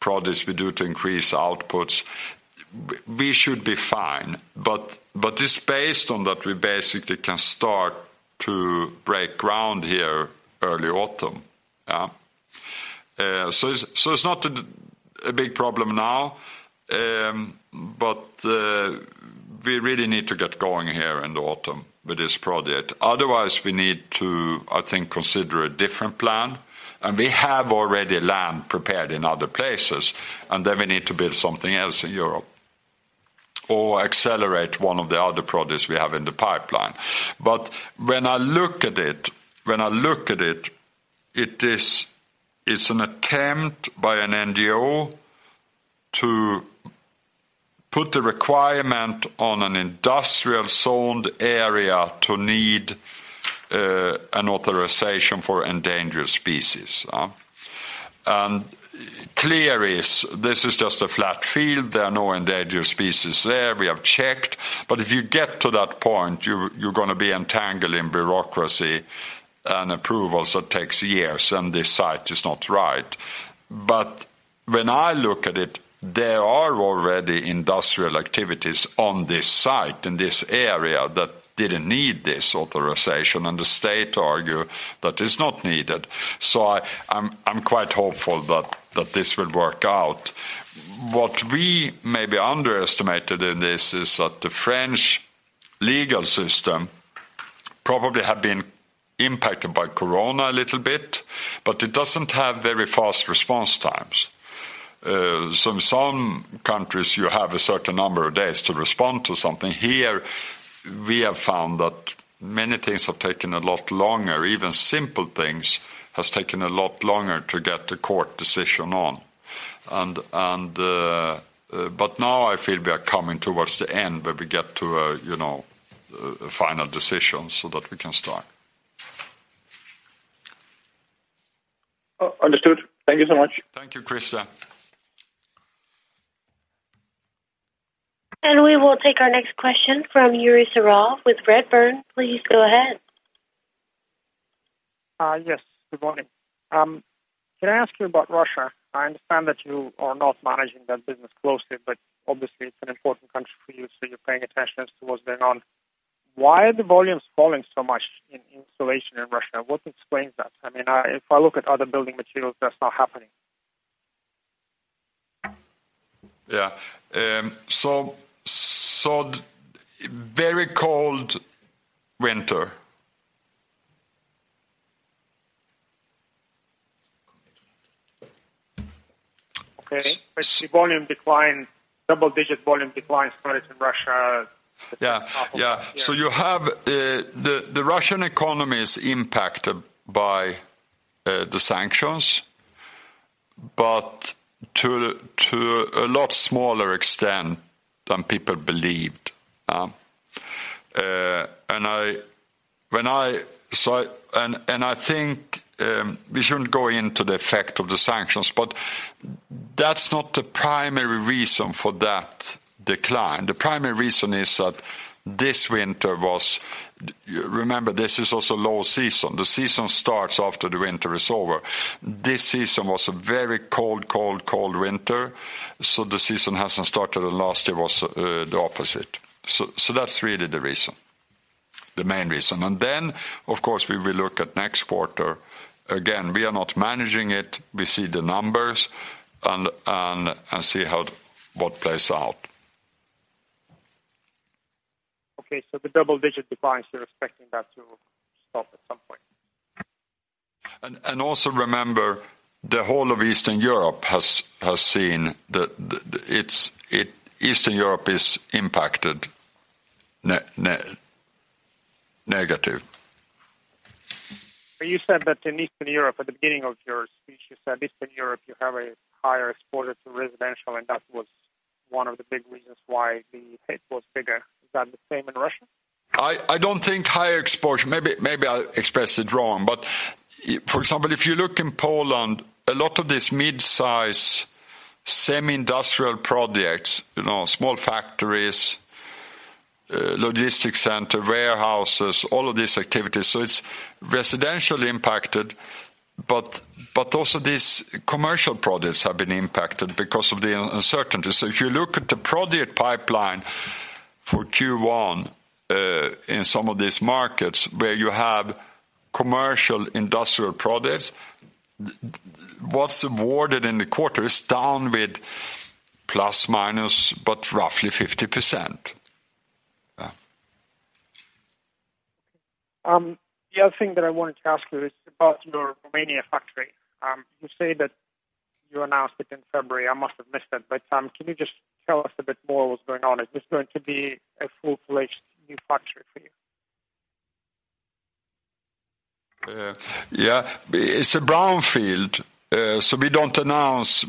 projects we do to increase outputs, we should be fine. It's based on that we basically can start to break ground here early autumn. Yeah. It's not a big problem now, we really need to get going here in the autumn with this project. Otherwise, we need to, I think, consider a different plan. We have already land prepared in other places, and then we need to build something else in Europe or accelerate one of the other projects we have in the pipeline. When I look at it's an attempt by an NGO to put the requirement on an industrial zoned area to need an authorization for endangered species. Clear is this is just a flat field. There are no endangered species there. We have checked. If you get to that point, you're gonna be entangled in bureaucracy and approvals that takes years, and this site is not right. When I look at it, there are already industrial activities on this site, in this area that didn't need this authorization, and the state argue that it's not needed. I'm quite hopeful that this will work out. What we maybe underestimated in this is that the French legal system probably have been impacted by Corona a little bit, but it doesn't have very fast response times. In some countries, you have a certain number of days to respond to something. Here, we have found that many things have taken a lot longer. Even simple things has taken a lot longer to get the court decision on. Now I feel we are coming towards the end, where we get to, you know, a final decision so that we can start. Understood. Thank you so much. Thank you, Christian. We will take our next question from Yuri Serov with Redburn. Please go ahead. Yes, good morning. Can I ask you about Russia? I understand that you are not managing that business closely, but obviously it's an important country for you, so you're paying attention as to what's going on? Why are the volumes falling so much in insulation in Russia? What explains that? I mean, if I look at other building materials, that's not happening. Yeah. Very cold winter. Okay. The volume declined double-digit volume declines for Insulation Russia. Yeah. Yeah. You have the Russian economy is impacted by the sanctions, but to a lot smaller extent than people believed. I think we shouldn't go into the effect of the sanctions, but that's not the primary reason for that decline. The primary reason is that this winter was. Remember, this is also low season. The season starts after the winter is over. This season was a very cold winter, so the season hasn't started, and last year was the opposite. That's really the reason, the main reason. Of course, we will look at next quarter. Again, we are not managing it. We see the numbers and see what plays out. Okay. The double-digit declines, you're expecting that to stop at some point. Also remember, the whole of Eastern Europe has seen the. Eastern Europe is impacted negative. You said that in Eastern Europe, at the beginning of your speech, you said Eastern Europe, you have a higher exposure to residential, and that was one of the big reasons why the hit was bigger. Is that the same in Russia? I don't think higher exposure. Maybe I expressed it wrong. For example, if you look in Poland, a lot of these mid-size semi-industrial projects, you know, small factories, logistics center, warehouses, all of these activities. It's residentially impacted, but also these commercial projects have been impacted because of the uncertainty. If you look at the project pipeline for Q1, in some of these markets where you have commercial industrial projects, what's awarded in the quarter is down with plus/minus, but roughly 50%. Yeah. The other thing that I wanted to ask you is about your Romania factory. You say that you announced it in February. I must have missed it, but can you just tell us a bit more what's going on? Is this going to be a full-fledged new factory for you? Yeah. It's a brownfield, so we don't announce.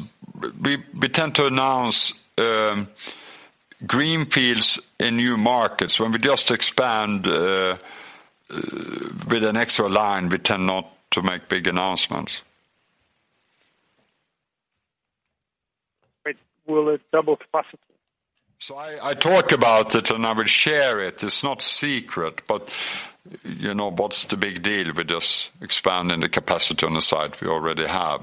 We tend to announce greenfields in new markets. When we just expand with an extra line, we tend not to make big announcements. Will it double capacity? I talk about it, and I will share it. It's not secret, you know, what's the big deal? We're just expanding the capacity on the site we already have.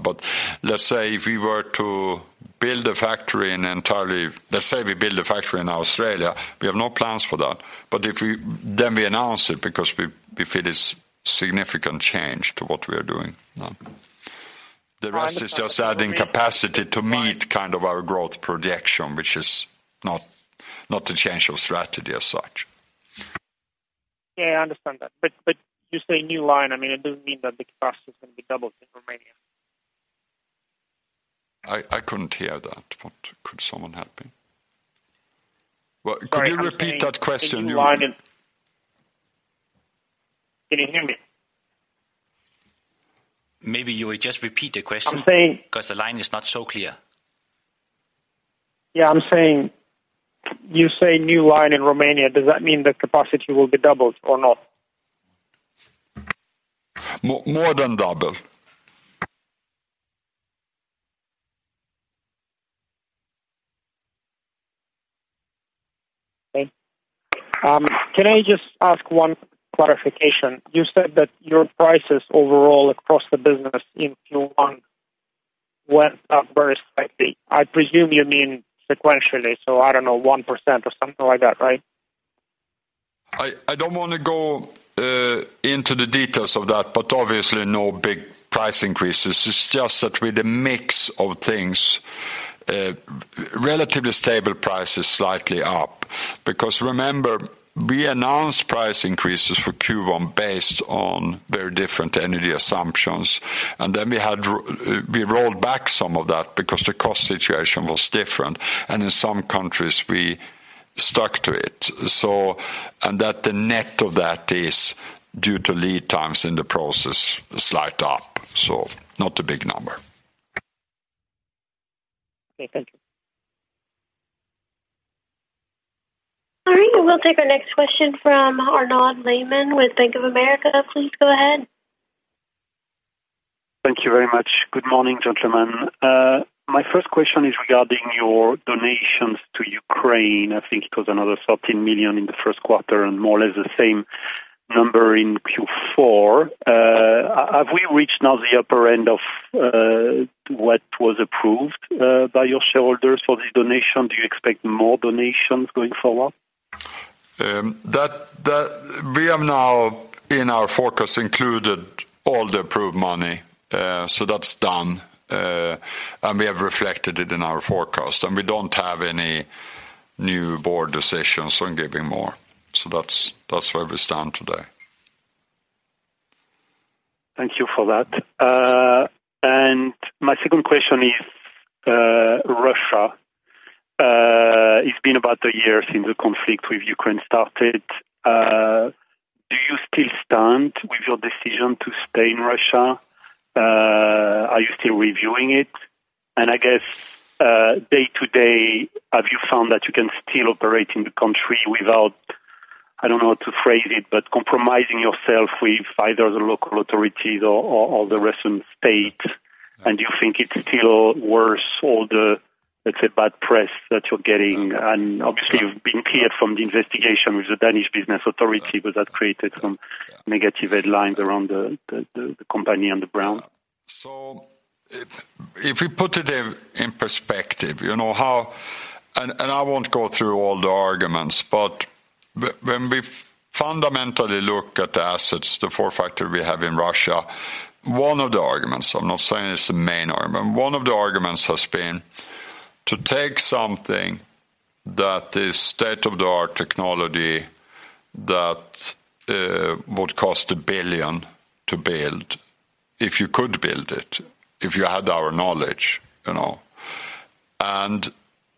Let's say if we were to build a factory in an entirely. Let's say we build a factory in Australia, we have no plans for that. Then we announce it because we feel it's significant change to what we are doing now. The rest is just adding capacity to meet, kind of, our growth projection, which is not a change of strategy as such. Yeah, I understand that. You say new line. I mean, it doesn't mean that the capacity is gonna be doubled in Romania. I couldn't hear that. Could someone help me? Well, could you repeat that question? Can you hear me? Maybe you would just repeat the question. I'm saying- because the line is not so clear. Yeah. I'm saying, you say new line in Romania. Does that mean the capacity will be doubled or not? More than doubled. Okay. can I just ask 1 clarification? You said that your prices overall across the business in Q1 went up very slightly. I presume you mean sequentially, so I don't know, 1% or something like that, right? I don't wanna go into the details of that. Obviously no big price increases. It's just that with a mix of things, relatively stable prices slightly up. Remember, we announced price increases for Q1 based on very different energy assumptions, and then we had we rolled back some of that because the cost situation was different, and in some countries we stuck to it. That the net of that is due to lead times in the process slight up, so not a big number. Okay. Thank you. All right. We'll take our next question from Arnaud Lehmann with Bank of America. Please go ahead. Thank you very much. Good morning, gentlemen. My first question is regarding your donations to Ukraine. I think it was another 13 million in the first quarter and more or less the same number in Q4. Have we reached now the upper end of what was approved by your shareholders for the donation? Do you expect more donations going forward? That we have now in our forecast included all the approved money. That's done. We have reflected it in our forecast. We don't have any new board decisions on giving more. That's where we stand today. Thank you for that. My second question is, Russia. It's been about a year since the conflict with Ukraine started. Do you still stand with your decision to stay in Russia? Are you still reviewing it? I guess, day-to-day, have you found that you can still operate in the country without, I don't know how to phrase it, but compromising yourself with either the local authorities or the Russian state? Do you think it's still worth all the, let's say, bad press that you're getting? Obviously you've been cleared from the investigation with the Danish Business Authority, but that created some negative headlines around the company and the brand. If we put it in perspective, you know, how. I won't go through all the arguments, but when we fundamentally look at the assets, the four factors we have in Russia, one of the arguments, I'm not saying it's the main argument, one of the arguments has been to take something that is state-of-the-art technology that would cost 1 billion to build if you could build it, if you had our knowledge, you know.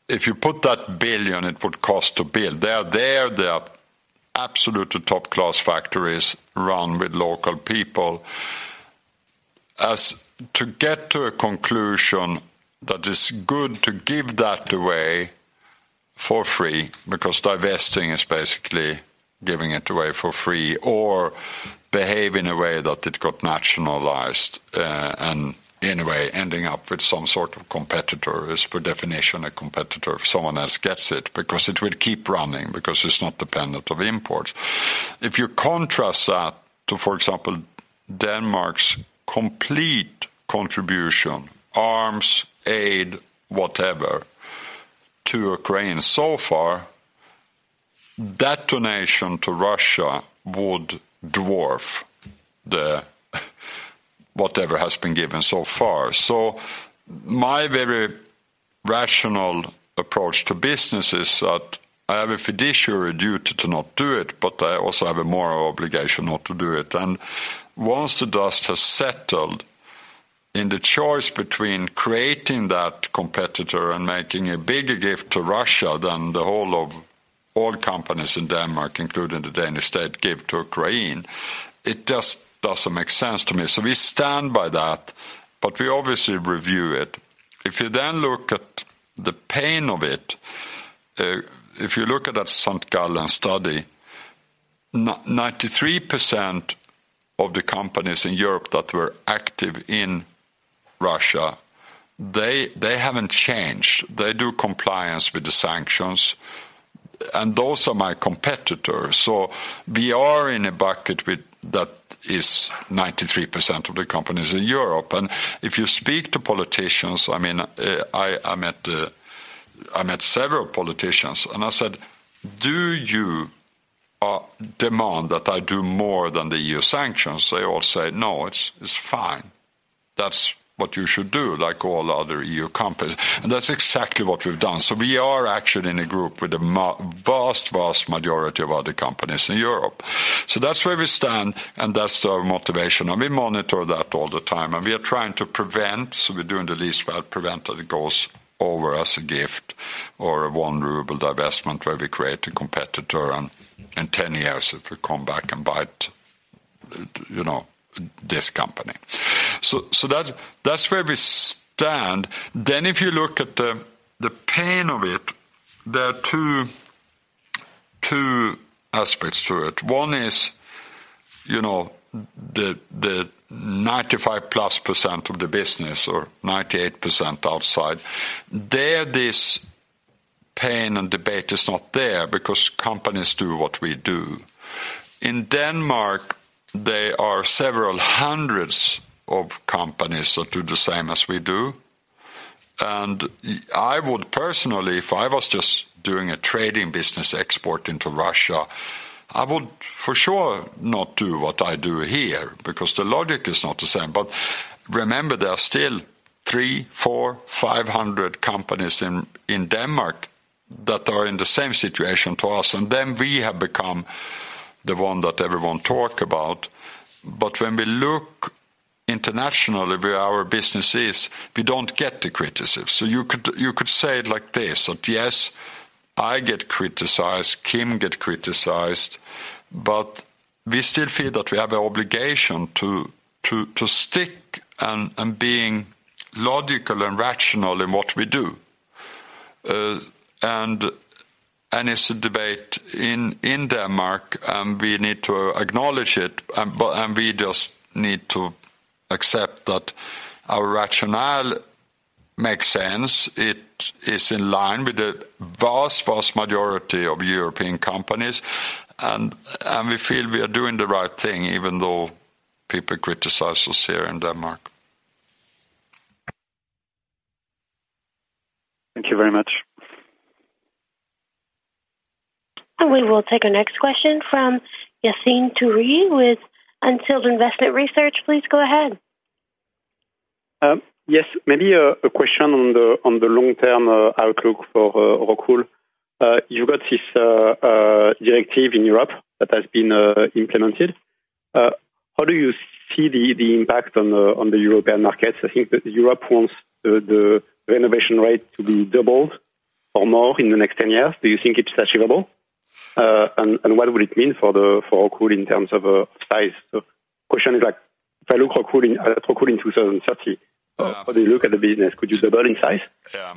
If you put that 1 billion it would cost to build, they are there, they are absolutely top-class factories run with local people. To get to a conclusion that is good to give that away for free, because divesting is basically giving it away for free or behave in a way that it got nationalized, and in a way ending up with some sort of competitor is per definition a competitor if someone else gets it, because it will keep running, because it's not dependent of imports. If you contrast that to, for example, Denmark's complete contribution, arms, aid, whatever, to Ukraine so far, that donation to Russia would dwarf the whatever has been given so far. My very rational approach to business is that I have a fiduciary duty to not do it, but I also have a moral obligation not to do it. Once the dust has settled in the choice between creating that competitor and making a bigger gift to Russia than the whole of all companies in Denmark, including the Danish state, give to Ukraine, it just doesn't make sense to me. We stand by that, but we obviously review it. If you then look at the pain of it, if you look at that St. Gallen study, 93% of the companies in Europe that were active in Russia, they haven't changed. They do compliance with the sanctions. Those are my competitors. We are in a bucket with that is 93% of the companies in Europe. If you speak to politicians, I mean, I met several politicians, and I said, "Do you demand that I do more than the EU sanctions?" They all say, "No, it's fine. That's what you should do like all other EU companies." That's exactly what we've done. We are actually in a group with the vast majority of other companies in Europe. That's where we stand, and that's our motivation, and we monitor that all the time. We are trying to prevent, so we're doing the least bad, prevent that it goes over as a gift or a 1 ruble divestment where we create a competitor, and in 10 years, it will come back and bite, you know, this company. That's where we stand. If you look at the pain of it, there are two aspects to it. One is, you know, the 95+% of the business or 98% outside. There, this pain and debate is not there because companies do what we do. In Denmark, there are several hundreds of companies that do the same as we do, I would personally, if I was just doing a trading business export into Russia, I would for sure not do what I do here, because the logic is not the same. Remember, there are still three, four, five hundred companies in Denmark that are in the same situation to us, and then we have become the one that everyone talk about. When we look internationally where our business is, we don't get the criticism. You could say it like this, that yes, I get criticized, Kim get criticized, but we still feel that we have an obligation to stick and being logical and rational in what we do. It's a debate in Denmark, and we need to acknowledge it, but we just need to accept that our rationale makes sense. It is in line with the vast majority of European companies, and we feel we are doing the right thing even though people criticize us here in Denmark. Thank you very much. We will take our next question from Yassine Touahri with On Field Investment Research. Please go ahead. Yes. Maybe a question on the long-term outlook for Rockwool. You've got this directive in Europe that has been implemented. How do you see the impact on the European markets? I think that Europe wants the renovation rate to be doubled or more in the next 10 years. Do you think it's achievable? What would it mean for Rockwool in terms of size? Question is like, if I look Rockwool in Rockwool in 2030, how do you look at the business? Could you double in size? Yeah.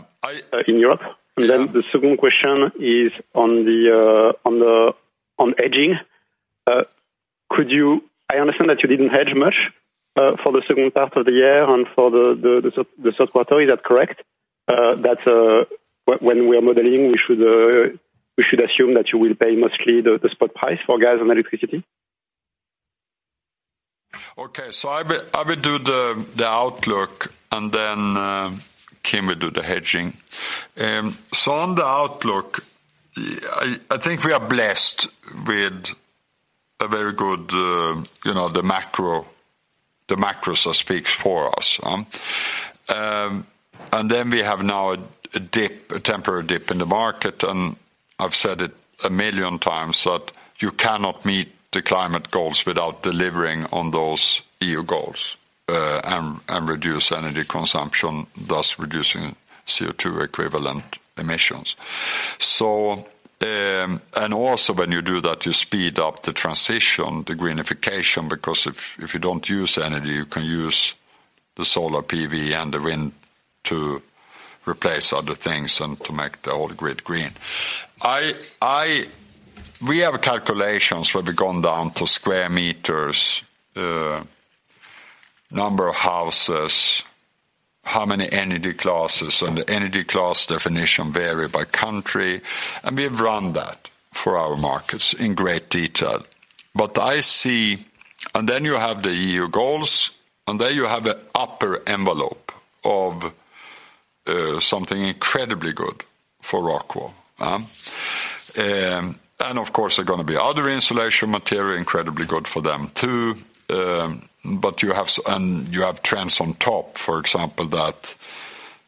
in Europe? Sure. Then the second question is on the on hedging. I understand that you didn't hedge much for the second half of the year and for the third quarter. Is that correct? That's when we are modeling, we should assume that you will pay mostly the spot price for gas and electricity? I will do the outlook, and then, Kim will do the hedging. On the outlook, I think we are blessed with a very good, you know, the macro, the macro so speaks for us. Then we have now a dip, a temporary dip in the market, and I've said it 1 million times that you cannot meet the climate goals without delivering on those EU goals, and reduce energy consumption, thus reducing CO2 equivalent emissions. Also when you do that, you speed up the transition, the greenification, because if you don't use energy, you can use the solar PV and the wind to replace other things and to make the whole grid green. We have calculations where we've gone down to square meters, number of houses, how many energy classes, and the energy class definition vary by country, and we've run that for our markets in great detail. Then you have the EU goals, and there you have a upper envelope of something incredibly good for Rockwool. Of course, there are gonna be other insulation material incredibly good for them too. You have trends on top. For example, that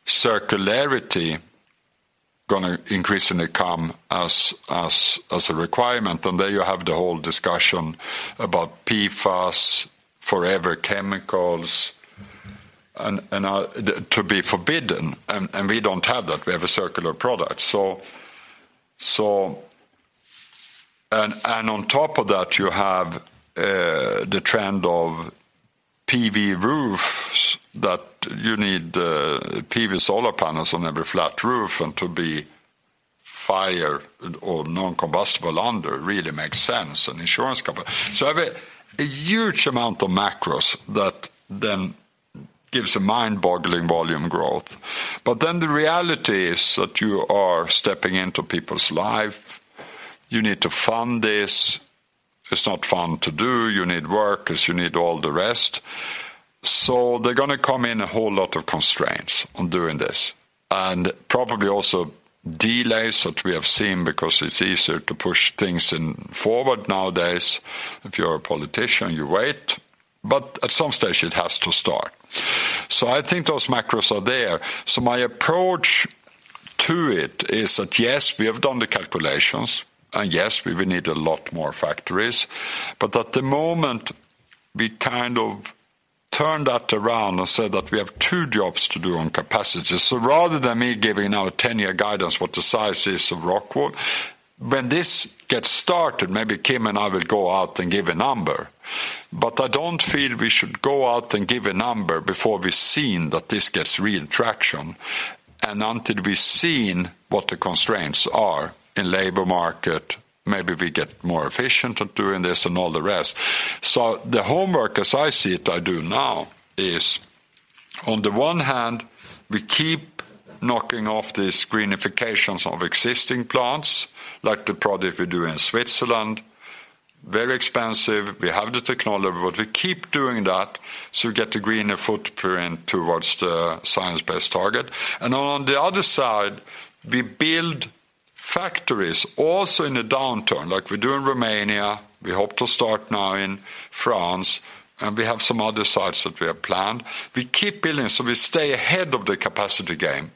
circularity gonna increasingly come as a requirement, there you have the whole discussion about PFAS, forever chemicals, and are to be forbidden, and we don't have that. We have a circular product. On top of that, you have the trend of PV roofs that you need PV solar panels on every flat roof and to be fire or non-combustible under really makes sense, an insurance company. A huge amount of macros that then gives a mind-boggling volume growth. The reality is that you are stepping into people's life. You need to fund this. It's not fun to do. You need workers. You need all the rest. There're gonna come in a whole lot of constraints on doing this, and probably also delays that we have seen because it's easier to push things in forward nowadays. If you're a politician, you wait. At some stage, it has to start. I think those macros are there. My approach to it is that, yes, we have done the calculations, and yes, we will need a lot more factories, but at the moment, we kind of turn that around and say that we have two jobs to do on capacity. Rather than me giving our 10-year guidance what the size is of Rockwool, when this gets started, maybe Kim and I will go out and give a number. I don't feel we should go out and give a number before we've seen that this gets real traction, and until we've seen what the constraints are in labor market, maybe we get more efficient at doing this and all the rest. The homework as I see it, I do now, is on the one hand, we keep knocking off these greenifications of existing plants, like the project we do in Switzerland, very expensive. We have the technology, we keep doing that to get the greener footprint towards the Science Based Targets. On the other side, we build factories also in a downturn, like we do in Romania. We hope to start now in France, and we have some other sites that we have planned. We keep building, so we stay ahead of the capacity game.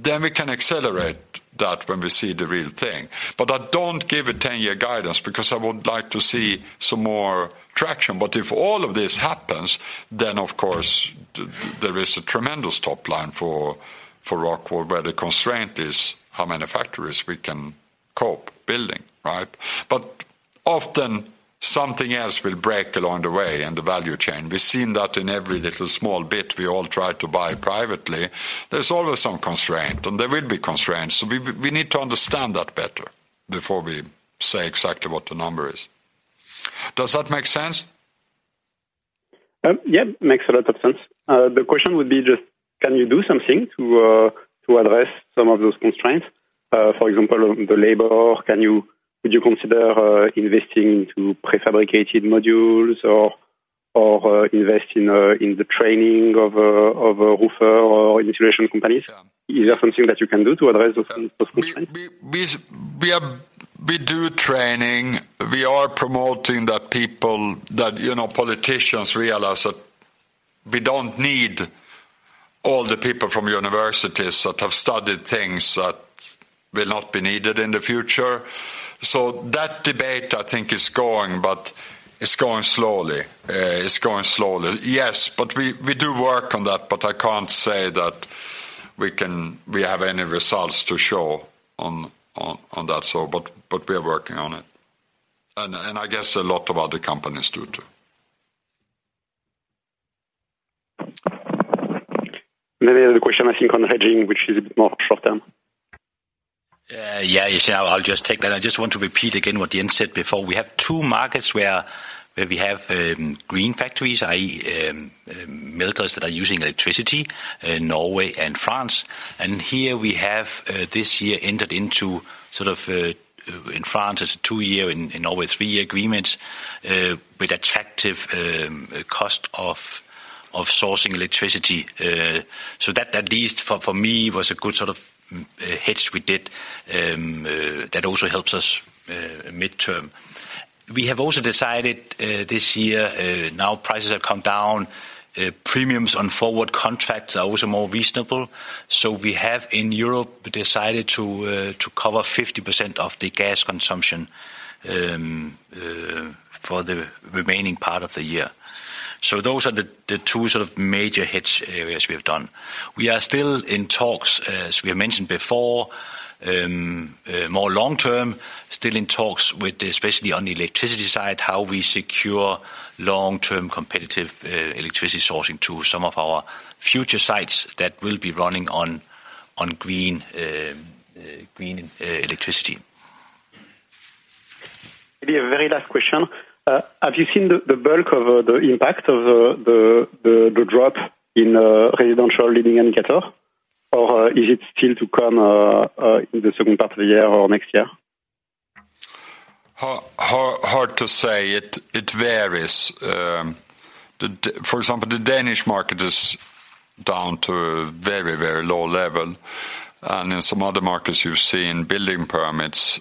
Then we can accelerate that when we see the real thing. I don't give a 10-year guidance because I would like to see some more traction. If all of this happens, then of course there is a tremendous top line for Rockwool, where the constraint is how many factories we can cope building, right? Often something else will break along the way in the value chain. We've seen that in every little small bit we all try to buy privately. There's always some constraint, and there will be constraints, so we need to understand that better before we say exactly what the number is. Does that make sense? Yeah, it makes a lot of sense. The question would be just can you do something to address some of those constraints, for example, on the labor, would you consider investing to prefabricated modules or invest in the training of a roofer or insulation companies? Yeah. Is there something that you can do to address those constraints? We do training. We are promoting that people that, you know, politicians realize that we don't need all the people from universities that have studied things that will not be needed in the future. That debate, I think is going, but it's going slowly. Yes, we do work on that, but I can't say that we have any results to show on that. We are working on it. I guess a lot of other companies do too. The other question, I think on hedging, which is more short-term. Yeah. I'll just take that. I just want to repeat again what Jens said before. We have two markets where we have green factories, i.e., melters that are using electricity, Norway and France. Here we have this year entered into sort of, in France, it's a 2-year, in Norway, 3-year agreements with attractive cost of sourcing electricity. So that at least for me, was a good sort of hedge we did that also helps us midterm. We have also decided this year, now prices have come down. Premiums on forward contracts are also more reasonable. We have in Europe decided to cover 50% of the gas consumption for the remaining part of the year. Those are the two sort of major hedge areas we have done. We are still in talks, as we have mentioned before, more long-term, still in talks with, especially on the electricity side, how we secure long-term competitive electricity sourcing to some of our future sites that will be running on green green electricity. Maybe a very last question. Have you seen the bulk of the impact of the drop in residential leading indicator? Is it still to come in the second part of the year or next year? Hard to say. It varies. For example, the Danish market is down to a very, very low level. In some other markets, you've seen building permits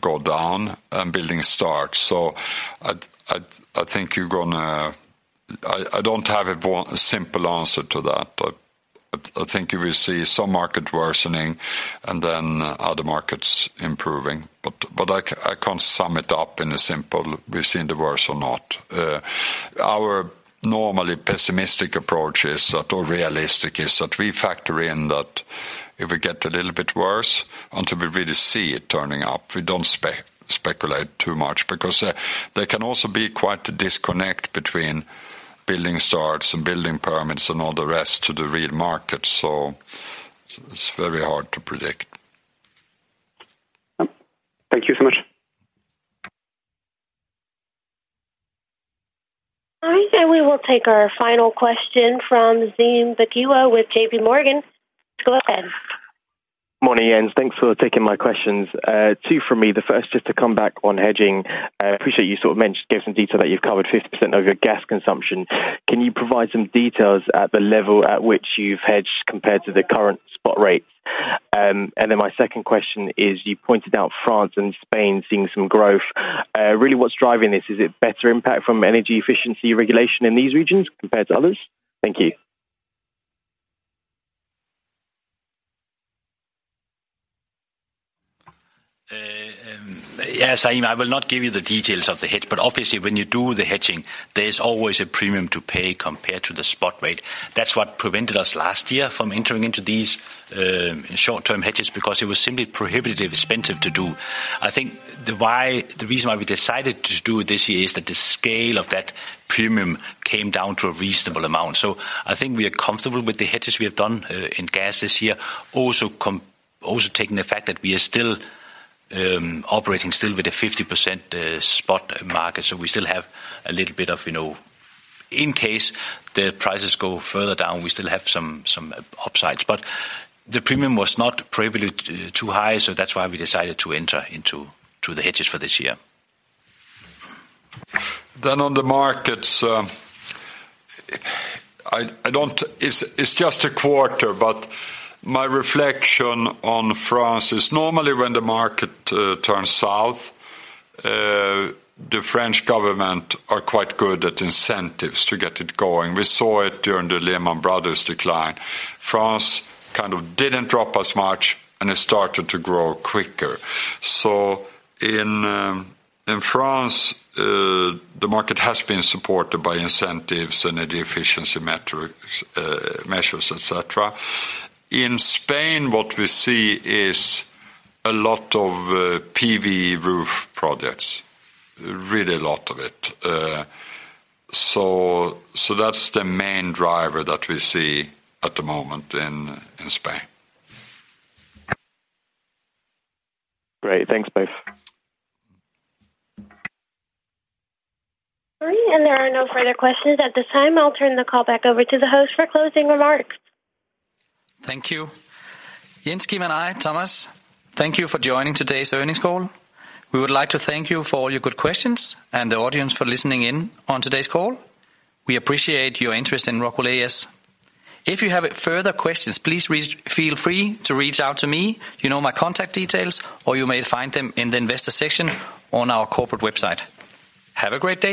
go down and building starts. I think you're gonna. I don't have a simple answer to that, but I think you will see some market worsening and then other markets improving. I can't sum it up in a simple, we've seen the worst or not. Our normally pessimistic approach is that or realistic is that we factor in that if we get a little bit worse until we really see it turning up, we don't speculate too much because there can also be quite a disconnect between building starts and building permits and all the rest to the real market. It's very hard to predict. Thank you so much. All right. We will take our final question from Zain Laika with JPMorgan. Go ahead. Morning, Jens. Thanks for taking my questions. Two from me. The first, just to come back on hedging. I appreciate you sort of mentioned, gave some detail that you've covered 50% of your gas consumption. Can you provide some details at the level at which you've hedged compared to the current spot rates? My second question is, you pointed out France and Spain seeing some growth. Really what's driving this? Is it better impact from energy efficiency regulation in these regions compared to others? Thank you. Zaim, I will not give you the details of the hedge, but obviously when you do the hedging, there's always a premium to pay compared to the spot rate. That's what prevented us last year from entering into these short-term hedges because it was simply prohibitive, expensive to do. I think the reason why we decided to do it this year is that the scale of that premium came down to a reasonable amount. I think we are comfortable with the hedges we have done in gas this year, also taking the fact that we are still operating still with a 50% spot market. We still have a little bit of, you know, in case the prices go further down, we still have some upsides. The premium was not privileged too high, so that's why we decided to enter to the hedges for this year. On the markets, It's just a quarter, but my reflection on France is normally when the market turns south, the French government are quite good at incentives to get it going. We saw it during the Lehman Brothers decline. France kind of didn't drop as much, and it started to grow quicker. In France, the market has been supported by incentives and the efficiency metric, measures, et cetera. In Spain, what we see is a lot of PV roof projects, really a lot of it. That's the main driver that we see at the moment in Spain. Great. Thanks, both. All right. There are no further questions at this time. I'll turn the call back over to the host for closing remarks. Thank you. Jens Kim and I, Thomas, thank you for joining today's earnings call. We would like to thank you for all your good questions and the audience for listening in on today's call. We appreciate your interest in Rockwool A/S. If you have further questions, please feel free to reach out to me. You know my contact details, or you may find them in the investor section on our corporate website. Have a great day